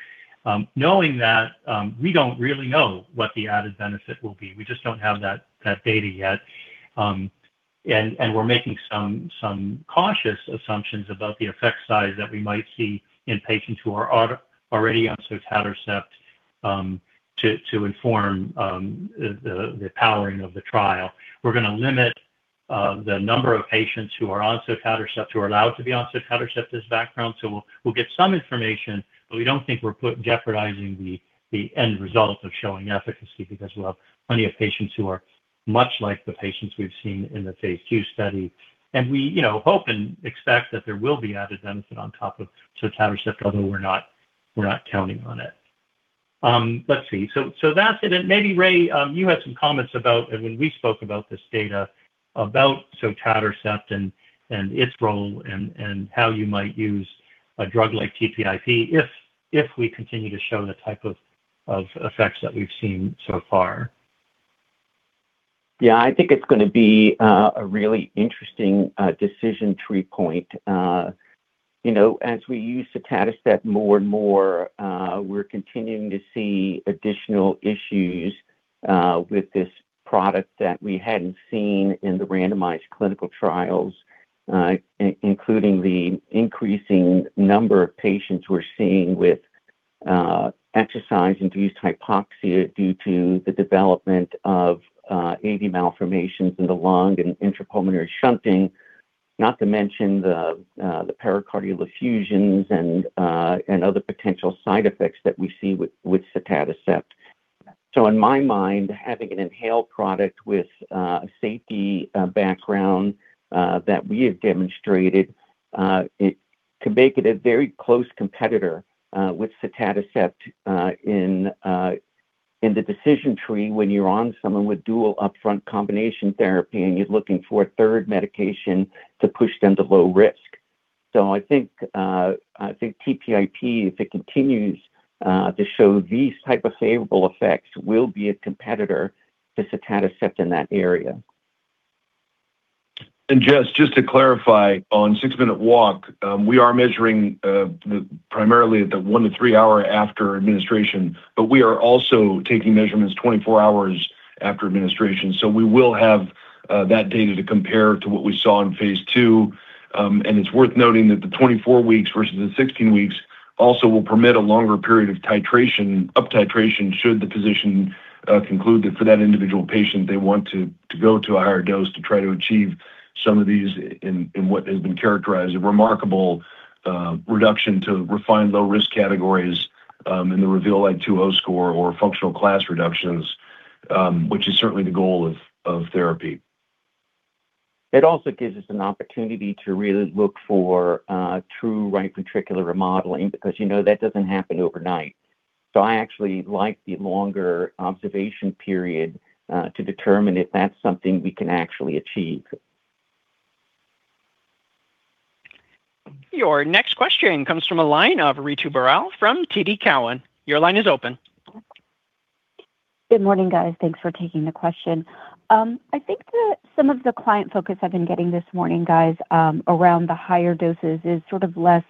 knowing that we don't really know what the added benefit will be. We just don't have that data yet. We're making some cautious assumptions about the effect size that we might see in patients who are already on sotatercept to inform the powering of the trial. We're going to limit the number of patients who are on sotatercept, who are allowed to be on sotatercept as background. We'll get some information, but we don't think we're jeopardizing the end result of showing efficacy because we'll have plenty of patients who are much like the patients we've seen in the phase II study. We hope and expect that there will be added benefit on top of sotatercept, although we're not counting on it. Let's see. That's it. Maybe, Raymond, you had some comments about when we spoke about this data, about sotatercept and its role, and how you might use a drug like TPIP if we continue to show the type of effects that we've seen so far. I think it's going to be a really interesting decision tree point. As we use sotatercept more and more, we're continuing to see additional issues with this product that we hadn't seen in the randomized clinical trials. Including the increasing number of patients we're seeing with exercise-induced hypoxia due to the development of AV malformations in the lung and intrapulmonary shunting. Not to mention the pericardial effusions and other potential side effects that we see with sotatercept. In my mind, having an inhaled product with a safety background that we have demonstrated could make it a very close competitor with sotatercept in the decision tree when you're on someone with dual upfront combination therapy, and you're looking for a third medication to push them to low-risk. I think TPIP, if it continues to show these type of favorable effects, will be a competitor to sotatercept in that area. Jessica, just to clarify, on six-minute walk, we are measuring primarily at the one to three hour after administration, but we are also taking measurements 24 hours after administration. We will have that data to compare to what we saw in phase II. It's worth noting that the 24 weeks versus the 16 weeks also will permit a longer period of uptitration should the physician conclude that for that individual patient. They want to go to a higher dose to try to achieve some of these in what has been characterized a remarkable reduction to refined low-risk categories in the REVEAL Lite 2.0 score or Functional Class reductions, which is certainly the goal of therapy. It also gives us an opportunity to really look for true right ventricular remodeling, because that doesn't happen overnight. I actually like the longer observation period to determine if that's something we can actually achieve. Your next question comes from a line of Ritu Baral from TD Cowen. Your line is open. Good morning, guys. Thanks for taking the question. I think that some of the client focus I've been getting this morning, guys, around the higher doses is less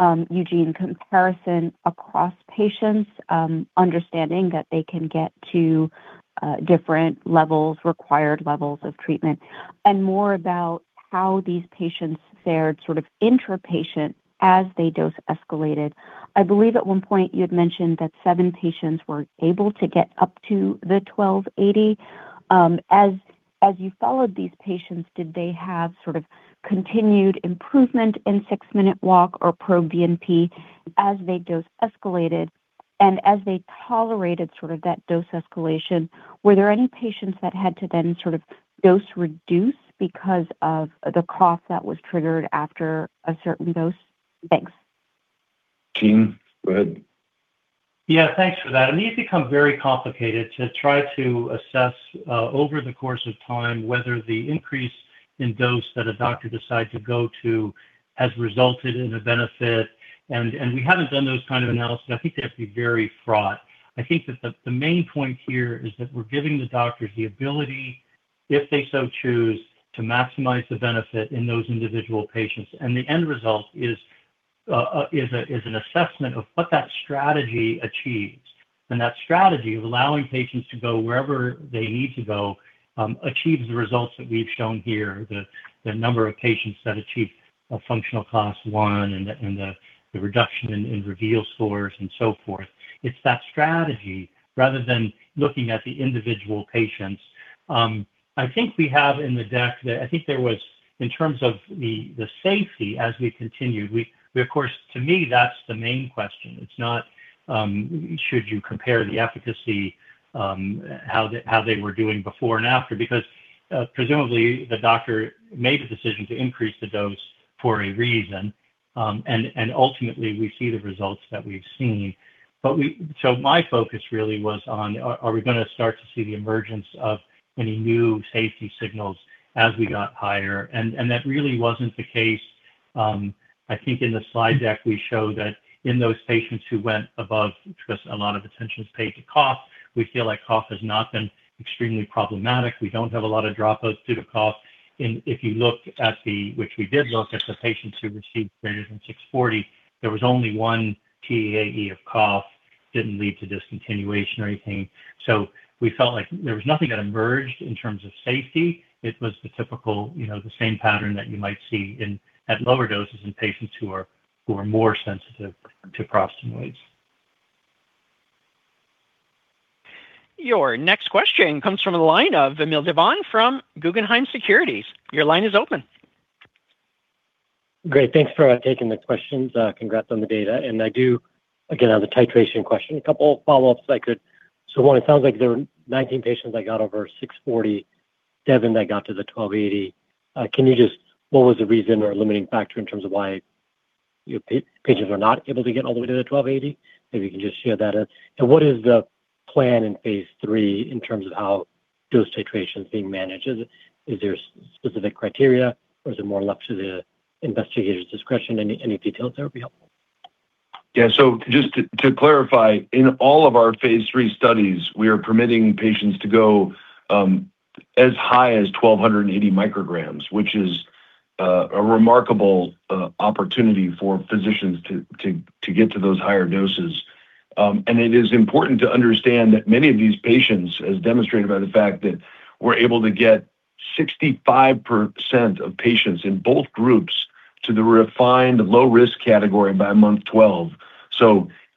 Gene comparison across patients, understanding that they can get to different required levels of treatment, and more about how these patients fared intra-patient as they dose escalated. I believe at one point you had mentioned that seven patients were able to get up to the 1,280 mcg. As you followed these patients, did they have continued improvement in six-minute walk or proBNP as they dose escalated? As they tolerated that dose escalation, were there any patients that had to then dose reduce because of the cough that was triggered after a certain dose? Thanks. Gene, go ahead. Yeah, thanks for that. These become very complicated to try to assess over the course of time whether the increase in dose that a doctor decides to go to has resulted in a benefit. We haven't done those kind of analysis. I think they have to be very fraught. I think that the main point here is that we're giving the doctors the ability, if they so choose, to maximize the benefit in those individual patients. The end result is an assessment of what that strategy achieves. That strategy of allowing patients to go wherever they need to go, achieves the results that we've shown here. The number of patients that achieve a Functional Class I and the reduction in REVEAL scores and so forth. It's that strategy, rather than looking at the individual patients I think we have in the deck that in terms of the safety as we continued, of course, to me, that's the main question. It's not should you compare the efficacy, how they were doing before and after, because presumably the doctor made the decision to increase the dose for a reason. Ultimately, we see the results that we've seen. My focus really was on, are we going to start to see the emergence of any new safety signals as we got higher? That really wasn't the case. I think in the slide deck, we show that in those patients who went above, because a lot of attention is paid to cough. We feel like cough has not been extremely problematic. We don't have a lot of dropouts due to cough. If you look, which we did look at the patients who received greater than 640 mcg, there was only one TEAE of cough, didn't lead to discontinuation or anything. We felt like there was nothing that emerged in terms of safety. It was the typical, the same pattern that you might see at lower doses in patients who are more sensitive to prostanoids. Your next question comes from the line of Vamil Divan from Guggenheim Securities. Your line is open. Great. Thanks for taking the questions. Congrats on the data. I do, again, on the titration question, a couple of follow-ups I could. One, it sounds like there were 19 patients that got over 640 mcg, seven that got to the 1,280 mcg. What was the reason or limiting factor in terms of why your patients were not able to get all the way to the 1,280 mcg? Maybe you can just share that. What is the plan in phase III in terms of how dose titration is being managed? Is there specific criteria or is it more left to the investigator's discretion? Any details there would be helpful. Just to clarify, in all of our phase III studies, we are permitting patients to go as high as 1,280 mcg, which is a remarkable opportunity for physicians to get to those higher doses. It is important to understand that many of these patients, as demonstrated by the fact that we're able to get 65% of patients in both groups to the refined low-risk category by month 12.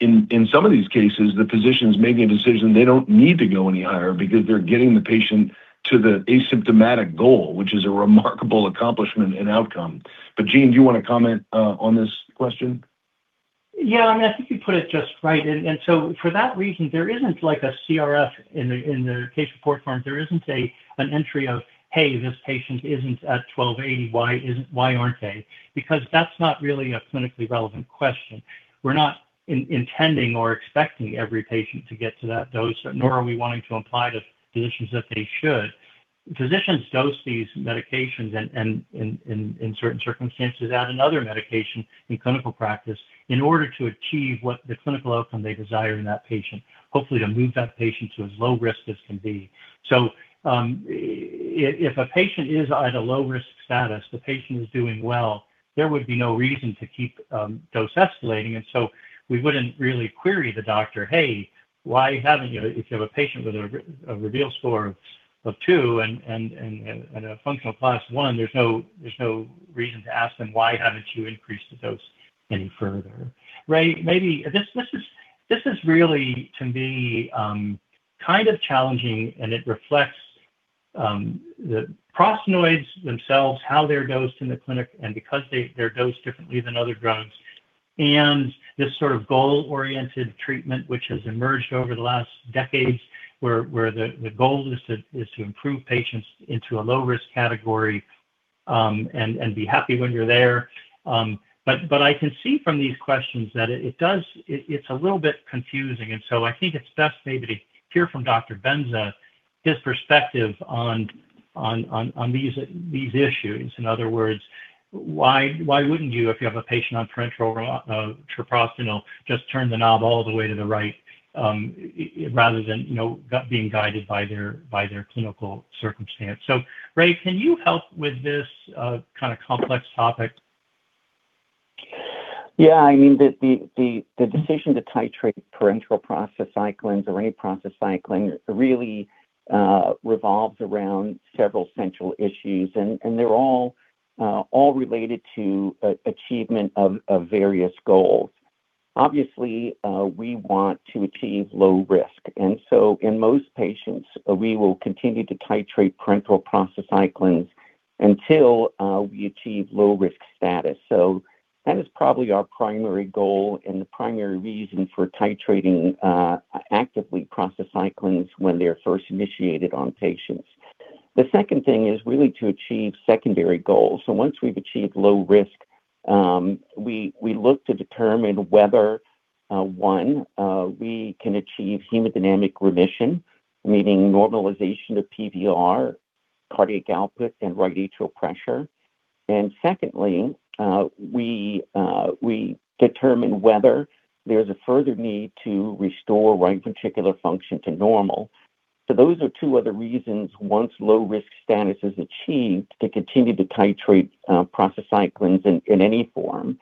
In some of these cases, the physician's making a decision they don't need to go any higher because they're getting the patient to the asymptomatic goal, which is a remarkable accomplishment and outcome. Gene, do you want to comment on this question? I think you put it just right. For that reason, there isn't like a CRF in the case. There isn't an entry of, "Hey, this patient isn't at 1,280 mcg." Why aren't they? Because that's not really a clinically relevant question. We're not intending or expecting every patient to get to that dose, nor are we wanting to imply to physicians that they should. Physicians dose these medications, and in certain circumstances, add another medication in clinical practice in order to achieve what the clinical outcome they desire in that patient, hopefully to move that patient to as low-risk as can be. If a patient is at a low-risk status, the patient is doing well, there would be no reason to keep dose escalating, we wouldn't really query the doctor, "Hey, why haven't you?" If you have a patient with a REVEAL score of 2 and a Functional Class I, there's no reason to ask them, "Why haven't you increased the dose any further?" Raymond, this is really, to me, kind of challenging, and it reflects the prostanoids themselves, how they're dosed in the clinic, and because they're dosed differently than other drugs. This sort of goal-oriented treatment which has emerged over the last decades, where the goal is to improve patients into a low-risk category, and be happy when you're there. I can see from these questions that it's a little bit confusing. I think it's best maybe to hear from Dr. Benza, his perspective on these issues. In other words, why wouldn't you, if you have a patient on parenteral treprostinil, just turn the knob all the way to the right, rather than being guided by their clinical circumstance. Raymond, can you help with this kind of complex topic? The decision to titrate parenteral prostacyclins or any prostacyclin really revolves around several central issues, and they're all related to achievement of various goals. Obviously, we want to achieve low-risk. In most patients, we will continue to titrate parenteral prostacyclins until we achieve low-risk status. That is probably our primary goal and the primary reason for titrating actively prostacyclins when they're first initiated on patients. The second thing is really to achieve secondary goals. Once we've achieved low-risk, we look to determine whether, one, we can achieve hemodynamic remission, meaning normalization of PVR, cardiac output, and right atrial pressure. Secondly, we determine whether there's a further need to restore right ventricular function to normal. Those are two other reasons, once low-risk status is achieved, to continue to titrate prostacyclins in any form.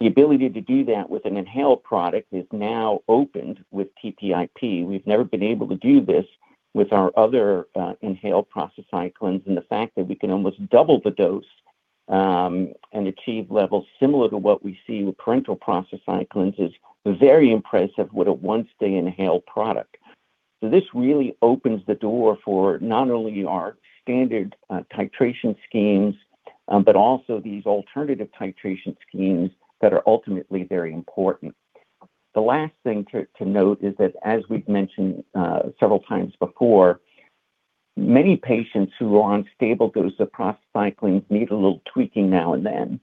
The ability to do that with an inhaled product is now opened with TPIP. We've never been able to do this with our other inhaled prostacyclins, and the fact that we can almost double the dose and achieve levels similar to what we see with parenteral prostacyclins is very impressive with a once-day inhale product. This really opens the door for not only our standard titration schemes but also these alternative titration schemes that are ultimately very important. The last thing to note is that as we've mentioned several times before, many patients who are on stable doses of prostacyclins need a little tweaking now and then.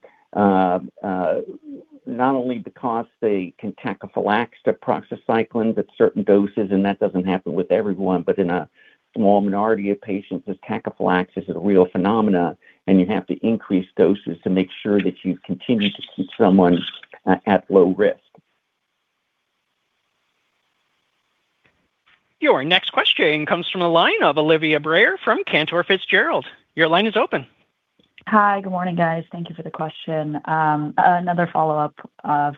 Not only because they can tachyphylaxis to prostacyclins at certain doses, that doesn't happen with everyone, but in a small minority of patients, this tachyphylaxis is a real phenomena, you have to increase doses to make sure that you continue to keep someone at low-risk. Your next question comes from the line of Olivia Brayer from Cantor Fitzgerald. Your line is open. Hi. Good morning, guys. Thank you for the question. Another follow-up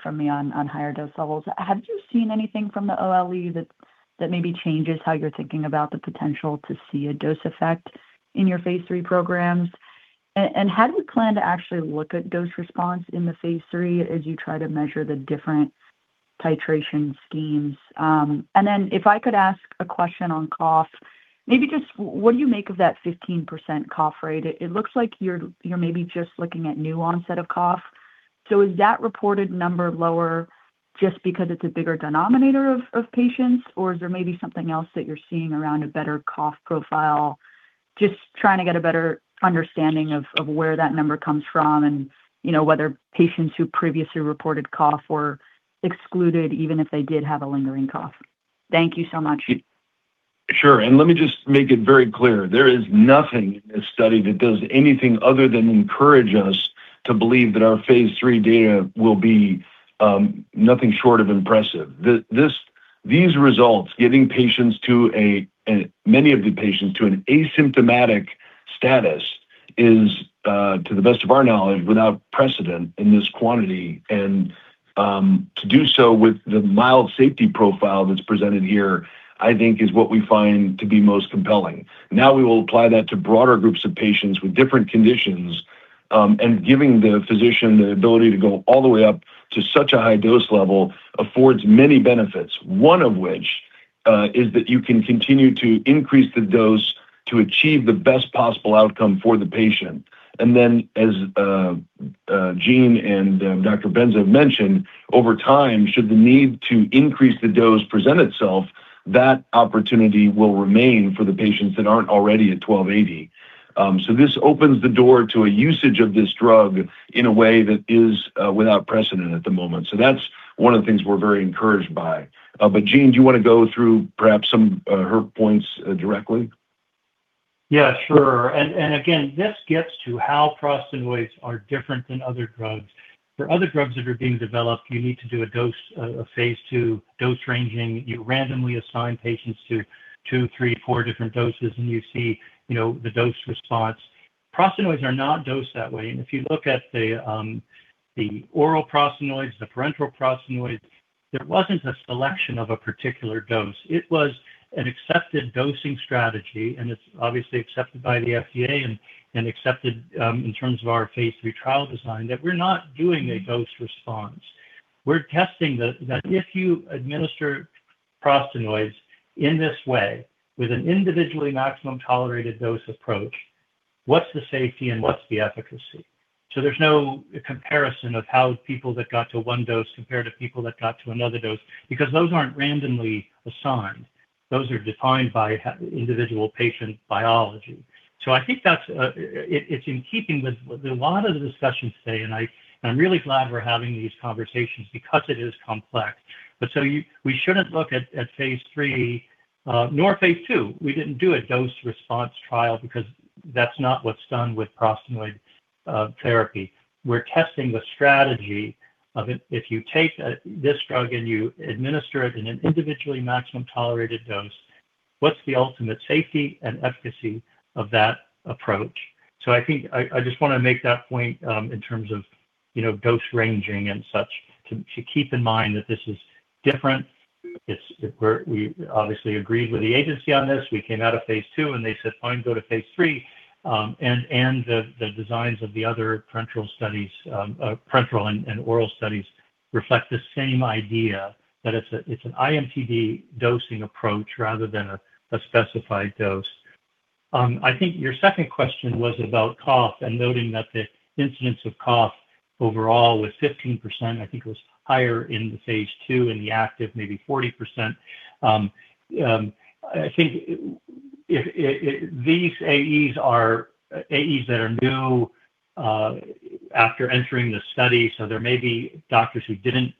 from me on higher dose levels. Have you seen anything from the OLE that maybe changes how you're thinking about the potential to see a dose effect in your phase III programs? Had we planned to actually look at dose response in the phase III as you try to measure the different titration schemes? If I could ask a question on cough. Maybe just what do you make of that 15% cough rate? It looks like you're maybe just looking at new onset of cough. Is that reported number lower just because it's a bigger denominator of patients? Or is there maybe something else that you're seeing around a better cough profile? Just trying to get a better understanding of where that number comes from and whether patients who previously reported cough were excluded, even if they did have a lingering cough. Thank you so much. Sure. Let me just make it very clear. There is nothing in this study that does anything other than encourage us to believe that our phase III data will be nothing short of impressive. These results, getting many of the patients to an asymptomatic status is, to the best of our knowledge, without precedent in this quantity. To do so with the mild safety profile that's presented here, I think is what we find to be most compelling. Now we will apply that to broader groups of patients with different conditions. Giving the physician the ability to go all the way up to such a high dose level affords many benefits, one of which is that you can continue to increase the dose to achieve the best possible outcome for the patient. As Gene and Dr. Benza have mentioned, over time, should the need to increase the dose present itself, that opportunity will remain for the patients that aren't already at 1,280 mcg. This opens the door to a usage of this drug in a way that is without precedent at the moment. That's one of the things we're very encouraged by. Gene, do you want to go through perhaps some of her points directly? Yeah, sure. Again, this gets to how prostanoids are different than other drugs. For other drugs that are being developed, you need to do a phase II dose ranging. You randomly assign patients to two, three, four different doses, and you see the dose response. Prostanoids are not dosed that way. If you look at the oral prostanoids, the parenteral prostanoids, there wasn't a selection of a particular dose. It was an accepted dosing strategy, and it's obviously accepted by the FDA and accepted in terms of our phase III trial design, that we're not doing a dose response. We're testing that if you administer prostanoids in this way with an individually maximum tolerated dose approach, what's the safety and what's the efficacy? There's no comparison of how people that got to one dose compare to people that got to another dose because those aren't randomly assigned. Those are defined by individual patient biology. I think it's in keeping with a lot of the discussions today, and I'm really glad we're having these conversations because it is complex. We shouldn't look at phase III, nor phase II. We didn't do a dose response trial because that's not what's done with prostanoid therapy. We're testing the strategy of if you take this drug and you administer it in an individually maximum tolerated dose, what's the ultimate safety and efficacy of that approach? I think I just want to make that point in terms of dose ranging and such to keep in mind that this is different. We obviously agreed with the agency on this. We came out of phase II, and they said, "Fine, go to phase III." The designs of the other parenteral and oral studies reflect the same idea that it's an IMTD dosing approach rather than a specified dose. I think your second question was about cough and noting that the incidence of cough overall was 15%, I think it was higher in the phase II in the active, maybe 40%. I think these AEs are AEs that are new after entering the study, so there may be doctors who didn't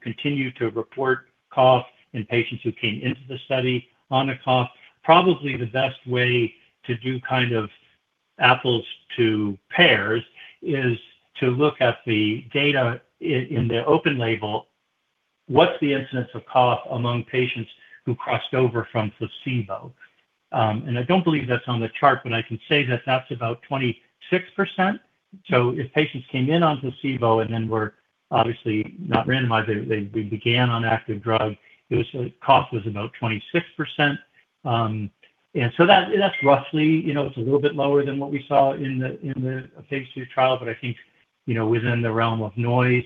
continue to report cough in patients who came into the study on a cough. Probably the best way to do kind of apples to pears is to look at the data in the open-label. What's the incidence of cough among patients who crossed over from placebo? I don't believe that's on the chart, but I can say that that's about 26%. If patients came in on placebo and then were obviously not randomized, they began on active drug, cough was about 26%. That's roughly, it's a little bit lower than what we saw in the phase II trial, but I think within the realm of noise.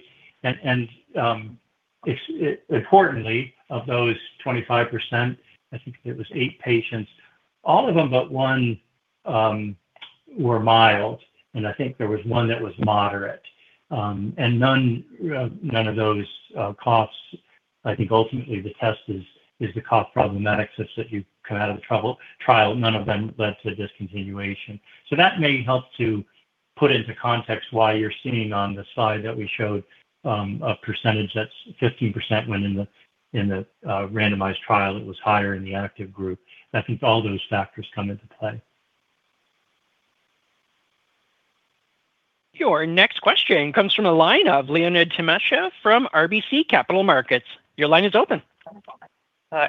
Importantly, of those 25%, I think it was eight patients, all of them but one were mild, and I think there was one that was moderate. None of those caused, I think ultimately the test is the cause problematic such that you come out of the trial. None of them led to discontinuation. That may help to put into context why you're seeing on the slide that we showed a percentage that's 15% went in the randomized trial. It was higher in the active group, and I think all those factors come into play. Your next question comes from the line of Leonid Timashev from RBC Capital Markets. Your line is open.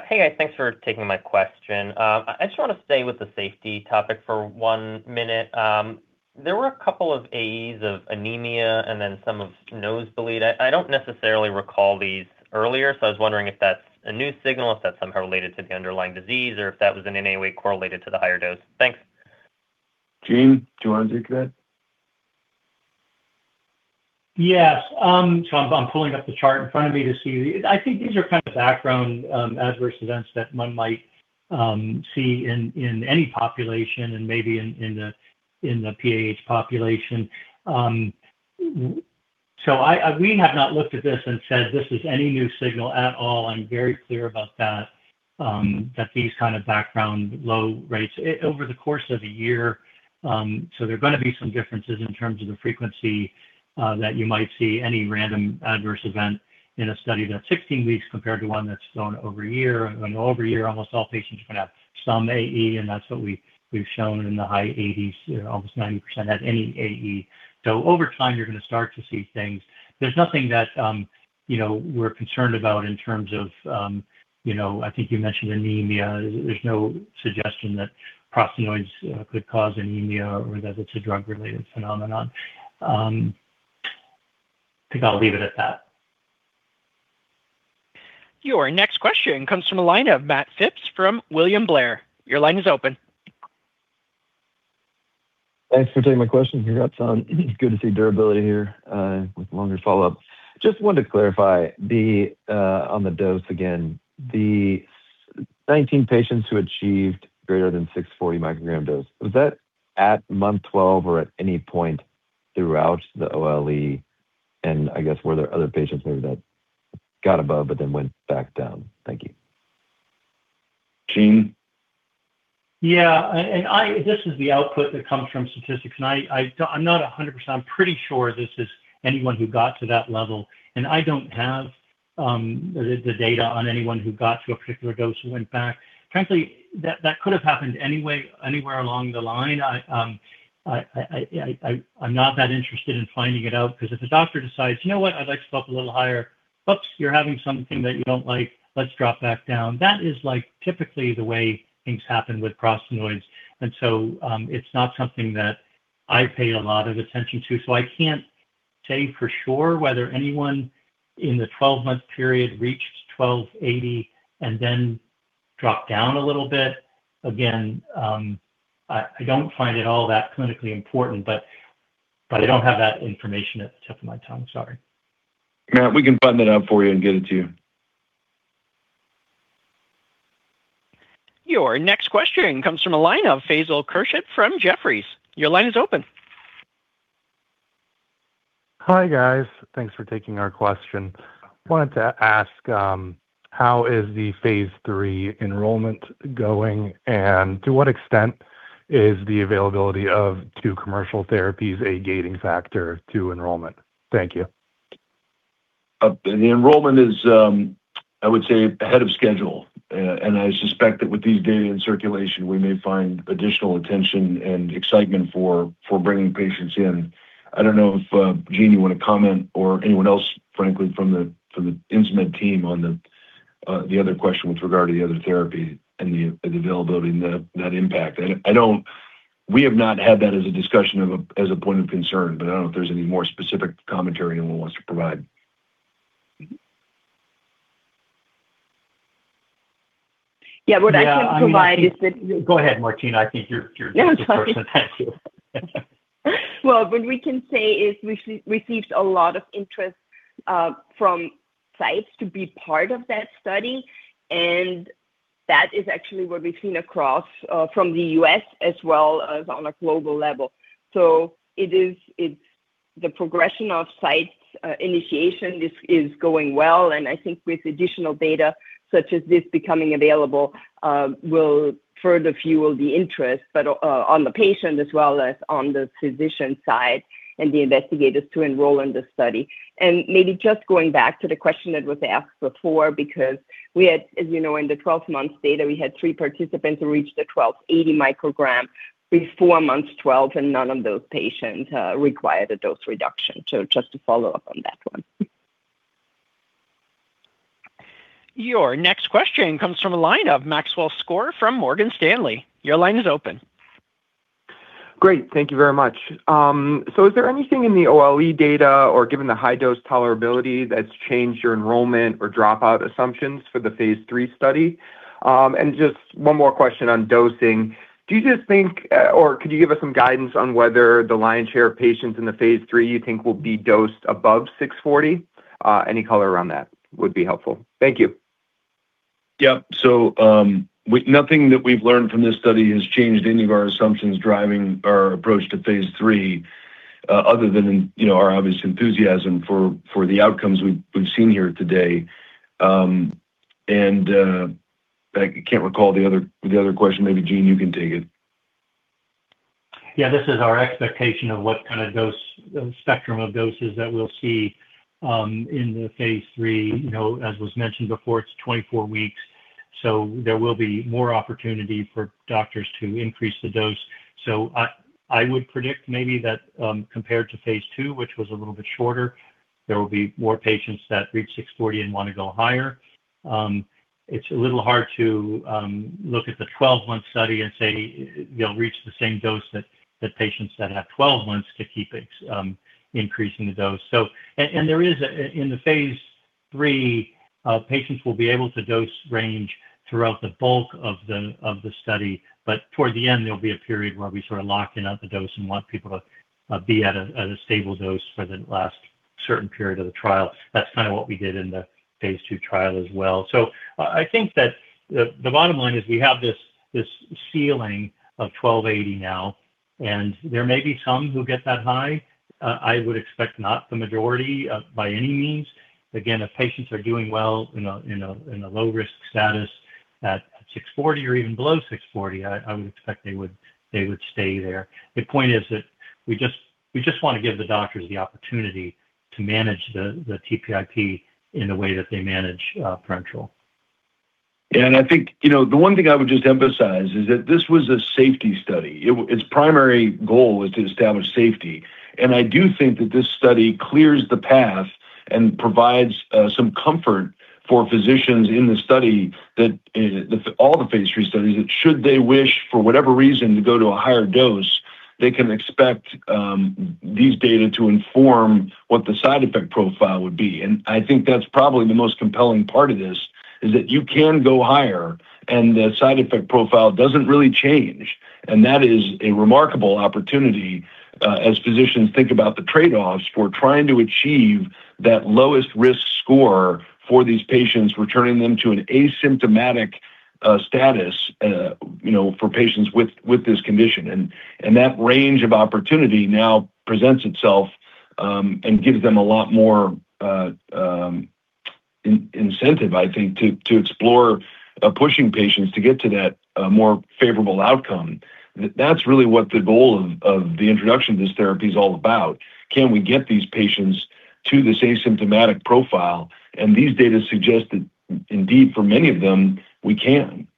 Hey, guys. Thanks for taking my question. I just want to stay with the safety topic for one minute. There were a couple of AEs of anemia and then some of nose bleed. I don't necessarily recall these earlier, I was wondering if that's a new signal, if that's somehow related to the underlying disease? Or if that was in any way correlated to the higher dose? Thanks. Gene, do you want to take that? Yes. I'm pulling up the chart in front of me to see. I think these are kind of background adverse events that one might see in any population and maybe in the PAH population. We have not looked at this and said this is any new signal at all. I'm very clear about that these kind of background low rates over the course of a year. There are going to be some differences in terms of the frequency that you might see any random adverse event in a study that's 16 weeks compared to one that's done over a year. And over a year, almost all patients are going to have some AE, and that's what we've shown in the high 80s, almost 90% had any AE. Over time, you're going to start to see things. There's nothing that we're concerned about in terms of, I think you mentioned anemia. There's no suggestion that prostanoids could cause anemia or that it's a drug-related phenomenon. I think I'll leave it at that. Your next question comes from a line of Matt Phipps from William Blair. Your line is open. Thanks for taking my question. Congrats on good to see durability here with longer follow-up. Just wanted to clarify on the dose again. The 19 patients who achieved greater than 640 mcg dose, was that at month 12 or at any point throughout the OLE? I guess, were there other patients there that got above but then went back down? Thank you. Gene? Yeah. This is the output that comes from statistics. I'm not 100%, I'm pretty sure this is anyone who got to that level, and I don't have the data on anyone who got to a particular dose who went back. Frankly, that could have happened anywhere along the line. I'm not that interested in finding it out because if a doctor decides, "You know what? I'd like to go up a little higher. Oops, you're having something that you don't like. Let's drop back down." That is typically the way things happen with prostanoids, so it's not something that I paid a lot of attention to. I can't say for sure whether anyone in the 12-month period reached 1,280 mcg and then dropped down a little bit. Again, I don't find it all that clinically important, but I don't have that information at the tip of my tongue. Sorry. Matt, we can find it up for you and get it to you. Your next question comes from a line of Faisal Khurshid from Jefferies. Your line is open. Hi, guys. Thanks for taking our question. Wanted to ask how is the phase III enrollment going, and to what extent is the availability of two commercial therapies a gating factor to enrollment? Thank you. The enrollment is, I would say, ahead of schedule, and I suspect that with these data in circulation, we may find additional attention and excitement for bringing patients in. I don't know if, Gene, you want to comment, or anyone else, frankly, from the Insmed team on the other question with regard to the other therapy and the availability and that impact. We have not had that as a point of concern, but I don't know if there's any more specific commentary anyone wants to provide. Yeah, what I can provide is that- Go ahead, Martina. I think you're the expert on that too. What we can say is we've received a lot of interest from sites to be part of that study, and that is actually what we've seen across from the U.S. as well as on a global level. The progression of sites initiation is going well, and I think with additional data such as this becoming available will further fuel the interest, but on the patient as well as on the physician side and the investigators to enroll in this study. Maybe just going back to the question that was asked before, because as you know, in the 12 months data, we had three participants who reached the 1,280 mcg before month 12, and none of those patients required a dose reduction. Just to follow up on that one. Your next question comes from a line of Maxwell Skor from Morgan Stanley. Your line is open. Great. Thank you very much. Is there anything in the OLE data or given the high-dose tolerability that's changed your enrollment or dropout assumptions for the phase III study? Just one more question on dosing. Do you just think, or could you give us some guidance on whether the lion's share of patients in the phase III you think will be dosed above 640 mcg? Any color around that would be helpful. Thank you. Yep. Nothing that we've learned from this study has changed any of our assumptions driving our approach to phase III, other than our obvious enthusiasm for the outcomes we've seen here today. I can't recall the other question. Maybe Gene, you can take it. Yeah. This is our expectation of what kind of spectrum of doses that we will see in the phase III. As was mentioned before, it's 24 weeks, there will be more opportunity for doctors to increase the dose. I would predict maybe that compared to phase II, which was a little bit shorter, there will be more patients that reach 640 mcg and want to go higher. It's a little hard to look at the 12-month study and say they will reach the same dose that the patients that have 12 months to keep increasing the dose. In the phase III, patients will be able to dose range throughout the bulk of the study, toward the end, there will be a period where we sort of lock in on the dose and want people to be at a stable dose for the last certain period of the trial. That's what we did in the phase II trial as well. I think that the bottom line is we have this ceiling of 1,280 mcg now, and there may be some who get that high. I would expect not the majority by any means. Again, if patients are doing well in a low-risk status at 640 mcg or even below 640 mcg, I would expect they would stay there. The point is that we just want to give the doctors the opportunity to manage the TPIP in the way that they manage parenteral. I think the one thing I would just emphasize is that this was a safety study. Its primary goal was to establish safety. I do think that this study clears the path and provides some comfort for physicians in all the phase III studies that should they wish for whatever reason to go to a higher dose, they can expect these data to inform what the side effect profile would be. I think that's probably the most compelling part of this is that you can go higher and the side effect profile doesn't really change. That is a remarkable opportunity as physicians think about the trade-offs for trying to achieve that lowest-risk score for these patients, returning them to an asymptomatic status for patients with this condition. That range of opportunity now presents itself and gives them a lot more incentive, I think, to explore pushing patients to get to that more favorable outcome. That's really what the goal of the introduction of this therapy is all about. Can we get these patients to this asymptomatic profile? These data suggest that indeed, for many of them, we can.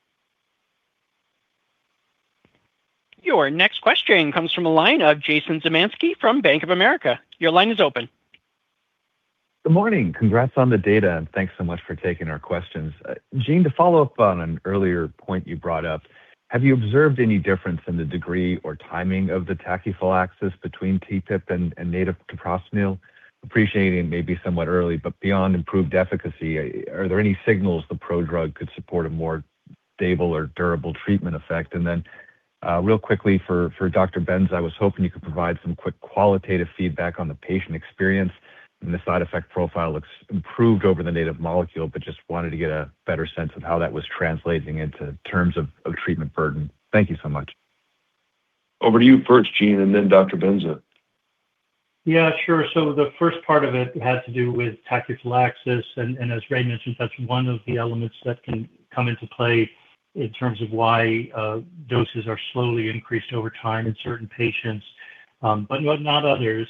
Your next question comes from the line of Jason Zemansky from Bank of America. Your line is open. Good morning. Congrats on the data, thanks so much for taking our questions. Gene, to follow up on an earlier point you brought up, have you observed any difference in the degree or timing of the tachyphylaxis between TPIP and native treprostinil? Appreciating it may be somewhat early, but beyond improved efficacy, are there any signals the prodrug could support a more stable or durable treatment effect? Then real quickly for Dr. Benza, I was hoping you could provide some quick qualitative feedback on the patient experience and the side effect profile looks improved over the native molecule, but just wanted to get a better sense of how that was translating into terms of treatment burden? Thank you so much. Over to you first, Gene, then Dr. Benza. Yeah, sure. The first part of it had to do with tachyphylaxis. As Raymond mentioned, that's one of the elements that can come into play in terms of why doses are slowly increased over time in certain patients, but not others.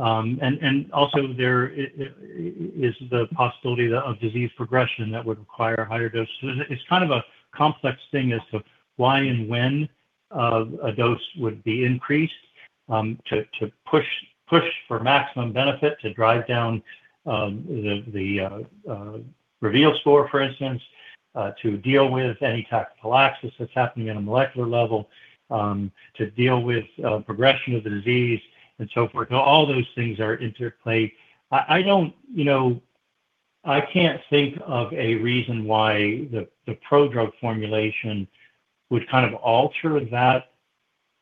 Also, there is the possibility of disease progression that would require higher doses. It's kind of a complex thing as to why and when a dose would be increased to push for maximum benefit, to drive down the REVEAL score, for instance, to deal with any tachyphylaxis that's happening at a molecular level, to deal with progression of the disease and so forth. All those things are interplayed. I can't think of a reason why the prodrug formulation would alter that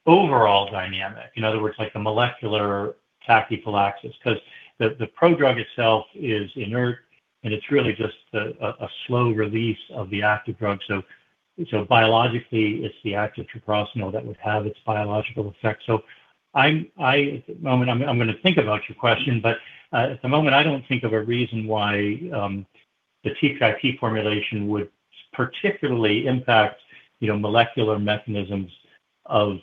overall dynamic. In other words, like a molecular tachyphylaxis, because the prodrug itself is inert, and it's really just a slow release of the active drug. Biologically, it's the active treprostinil that would have its biological effect. I'm going to think about your question, but at the moment, I don't think of a reason why the TPIP formulation would particularly impact molecular mechanisms of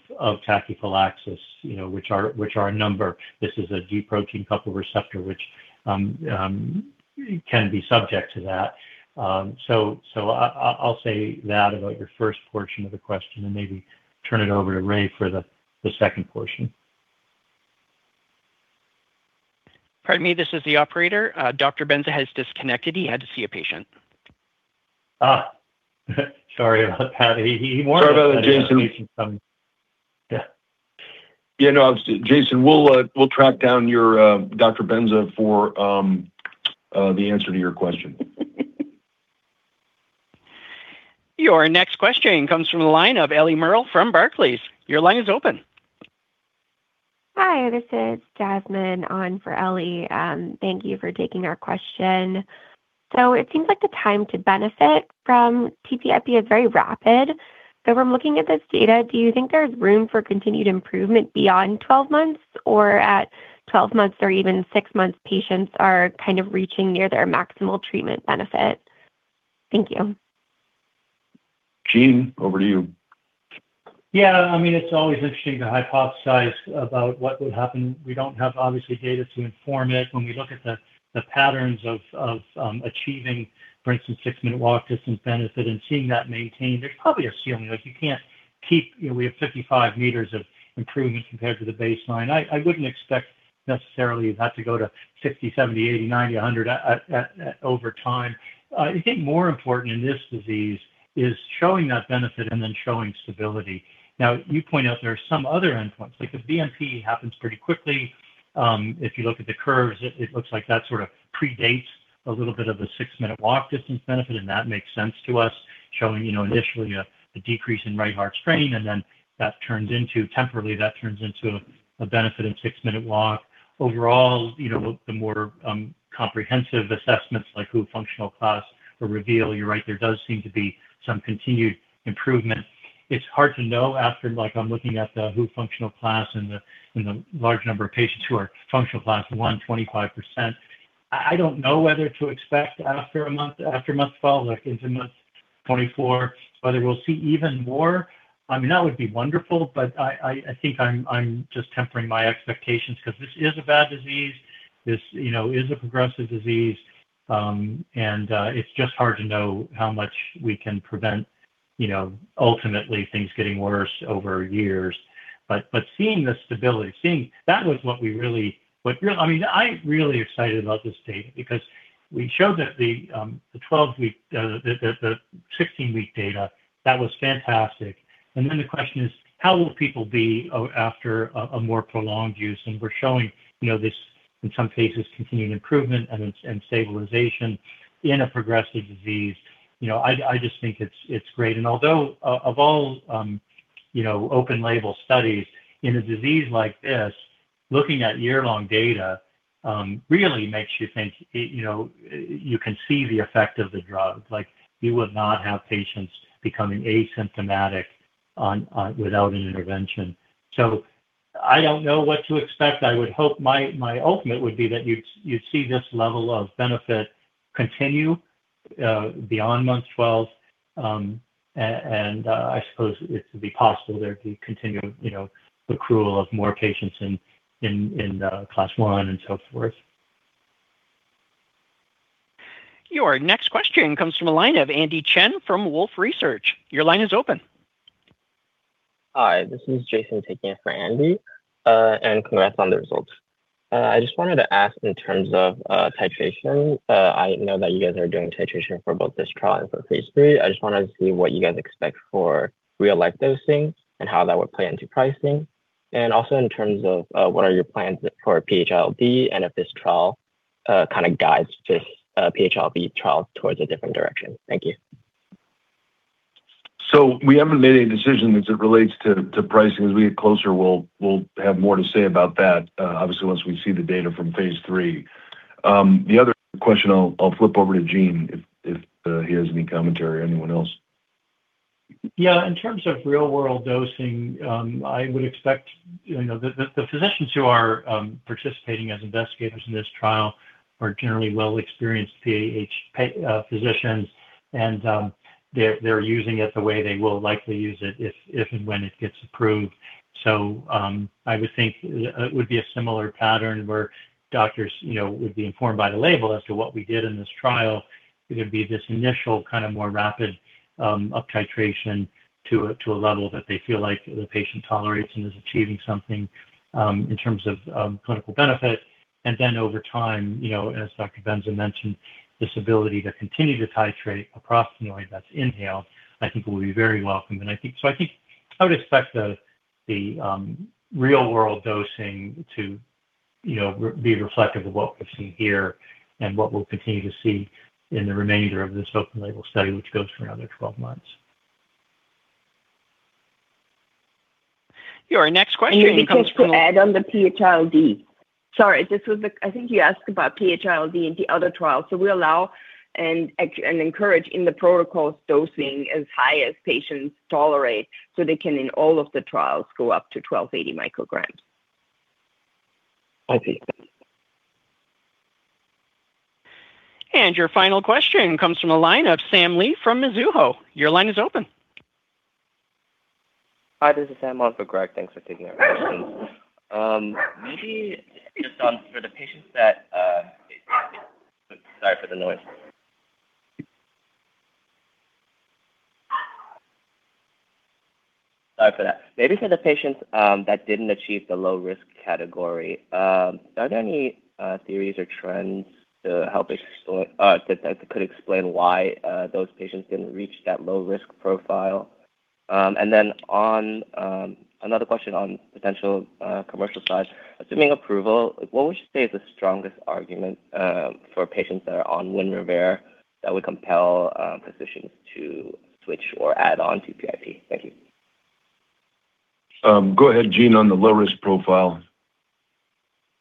tachyphylaxis which are a number. This is a G protein-coupled receptor which can be subject to that. I'll say that about your first portion of the question and maybe turn it over to Raymond for the second portion. Pardon me, this is the operator. Dr. Benza has disconnected. He had to see a patient. Sorry about that. He warned us that a patient was coming. Sorry about that, Jason. Yeah, no, obviously. Jason, we'll track down Dr. Benza for the answer to your question. Your next question comes from the line of Ellie Merle from Barclays. Your line is open. Hi, this is [Jasmine] on for Ellie. Thank you for taking our question. It seems like the time to benefit from TPIP is very rapid. When looking at this data, do you think there's room for continued improvement beyond 12 months? At 12 months or even six months, patients are kind of reaching near their maximal treatment benefit? Thank you. Gene, over to you. It's always interesting to hypothesize about what would happen. We don't have, obviously, data to inform it. When we look at the patterns of achieving, for instance, six-minute walk distance benefit and seeing that maintained, there's probably a ceiling. We have 55 m of improvement compared to the baseline. I wouldn't expect necessarily that to go to 60, 70, 80, 90, 100 over time. I think more important in this disease is showing that benefit and then showing stability. You point out there are some other endpoints, like the BNP happens pretty quickly. If you look at the curves, it looks like that sort of predates a little bit of the six-minute walk distance benefit, and that makes sense to us, showing initially a decrease in right heart strain and then temporarily that turns into a benefit in six-minute walk. The more comprehensive assessments like WHO Functional Class or REVEAL, you're right, there does seem to be some continued improvement. It's hard to know after, I'm looking at the WHO Functional Class and the large number of patients who are Functional Class I, 25%. I don't know whether to expect after month 12 into month 24, whether we'll see even more. That would be wonderful, but I think I'm just tempering my expectations because this is a bad disease. This is a progressive disease. It's just hard to know how much we can prevent, ultimately, things getting worse over years. Seeing the stability. I'm really excited about this data because we showed that the 16-week data, that was fantastic. The question is: how will people be after a more prolonged use? We're showing this, in some cases, continued improvement and stabilization in a progressive disease. I just think it's great. Although, of all open label studies, in a disease like this, looking at year-long data really makes you think you can see the effect of the drug. You would not have patients becoming asymptomatic without an intervention. I don't know what to expect. My ultimate would be that you'd see this level of benefit continue beyond month 12. I suppose it could be possible there could be continued accrual of more patients in Class I and so forth. Your next question comes from a line of Andy Chen from Wolfe Research. Your line is open. Hi, this is [Jason] taking it for Andy. Congrats on the results. I just wanted to ask in terms of titration. I know that you guys are doing titration for both this trial and for phase III? I just wanted to see what you guys expect for real life dosing and how that would play into pricing? In terms of what are your plans for PH-ILD and if this trial kind of guides this PH-ILD trial towards a different direction? Thank you. We haven't made any decisions as it relates to pricing. As we get closer, we'll have more to say about that, obviously once we see the data from phase III. The other question I'll flip over to Gene if he has any commentary or anyone else. In terms of real world dosing, I would expect the physicians who are participating as investigators in this trial are generally well experienced PAH physicians, and they're using it the way they will likely use it if and when it gets approved. I would think it would be a similar pattern where doctors would be informed by the label as to what we did in this trial. It would be this initial kind of more rapid uptitration to a level that they feel like the patient tolerates and is achieving something in terms of clinical benefit. Over time, as Dr. Benza mentioned, this ability to continue to titrate a prostanoid that's inhaled, I think will be very welcome. I think I would expect the real world dosing to be reflective of what we're seeing here and what we'll continue to see in the remainder of this open label study, which goes for another 12 months. Your next question comes from- Just to add on the PH-ILD. Sorry, I think you asked about PH-ILD and the other trial. We allow and encourage in the protocols dosing as high as patients tolerate, so they can, in all of the trials, go up to 1,280 mcg. I see. Thanks. Your final question comes from a line of Sam Lee from Mizuho. Your line is open. Hi, this is Sam on for [Graig]. Thanks for taking our questions. Sorry for the noise. Maybe for the patients that didn't achieve the low-risk category, are there any theories or trends that could explain why those patients didn't reach that low-risk profile? Another question on potential commercial side. Assuming approval, what would you say is the strongest argument for patients that are on WINREVAIR that would compel physicians to switch or add on TPIP? Thank you. Go ahead, Gene, on the low-risk profile.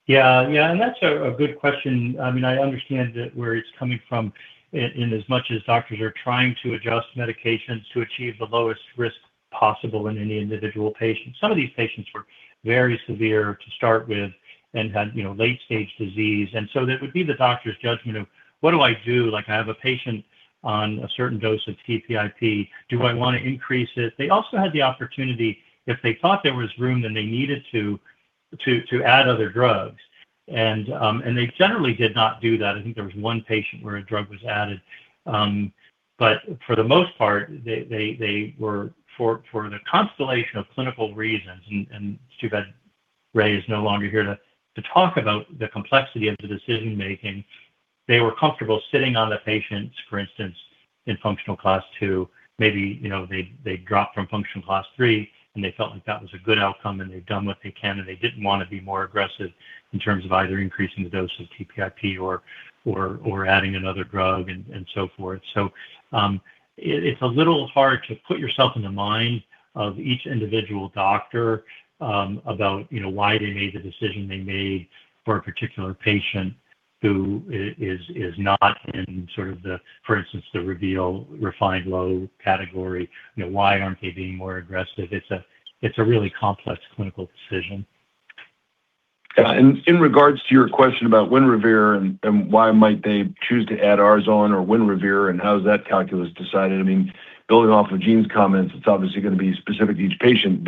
Yeah. That's a good question. I understand where it's coming from in as much as doctors are trying to adjust medications to achieve the lowest-risk possible in any individual patient. Some of these patients were very severe to start with and had late-stage disease. So that would be the doctor's judgment of, what do I do? I have a patient on a certain dose of TPIP. Do I want to increase it? They also had the opportunity, if they thought there was room, then they needed to add other drugs. They generally did not do that. I think there was one patient where a drug was added. For the most part, they were for the constellation of clinical reasons, and it's too bad Raymond is no longer here to talk about the complexity of the decision-making. They were comfortable sitting on the patients, for instance, in WHO Functional Class II. Maybe they dropped from WHO Functional Class III, and they felt like that was a good outcome, and they've done what they can, and they didn't want to be more aggressive in terms of either increasing the dose of TPIP or adding another drug and so forth. It's a little hard to put yourself in the mind of each individual doctor about why they made the decision they made for a particular patient who is not in the, for instance, the reveal refined low category. Why aren't they being more aggressive? It's a really complex clinical decision. In regards to your question about WINREVAIR and why might they choose to add Arzone or WINREVAIR and how is that calculus decided? Building off of Gene's comments, it's obviously going to be specific to each patient.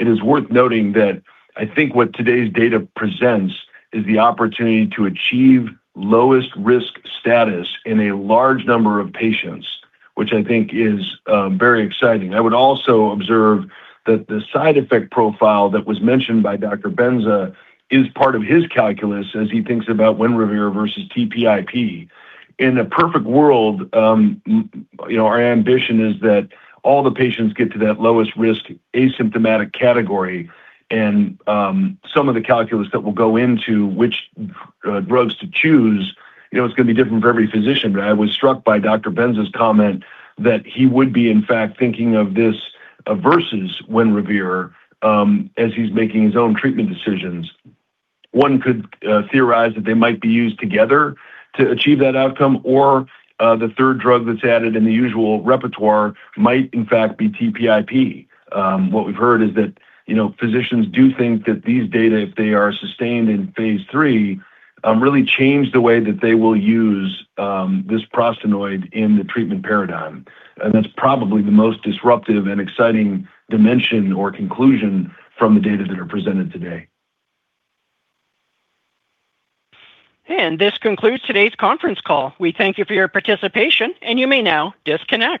It is worth noting that I think what today's data presents is the opportunity to achieve lowest-risk status in a large number of patients, which I think is very exciting. I would also observe that the side effect profile that was mentioned by Dr. Benza is part of his calculus as he thinks about WINREVAIR versus TPIP. In a perfect world, our ambition is that all the patients get to that lowest-risk asymptomatic category, and some of the calculus that will go into which drugs to choose, it's going to be different for every physician. I was struck by Dr. Benza's comment that he would be, in fact, thinking of this versus WINREVAIR as he's making his own treatment decisions. One could theorize that they might be used together to achieve that outcome, or the third drug that's added in the usual repertoire might, in fact, be TPIP. What we've heard is that physicians do think that these data, if they are sustained in phase III, really change the way that they will use this prostanoid in the treatment paradigm. That's probably the most disruptive and exciting dimension or conclusion from the data that are presented today. This concludes today's conference call. We thank you for your participation, and you may now disconnect.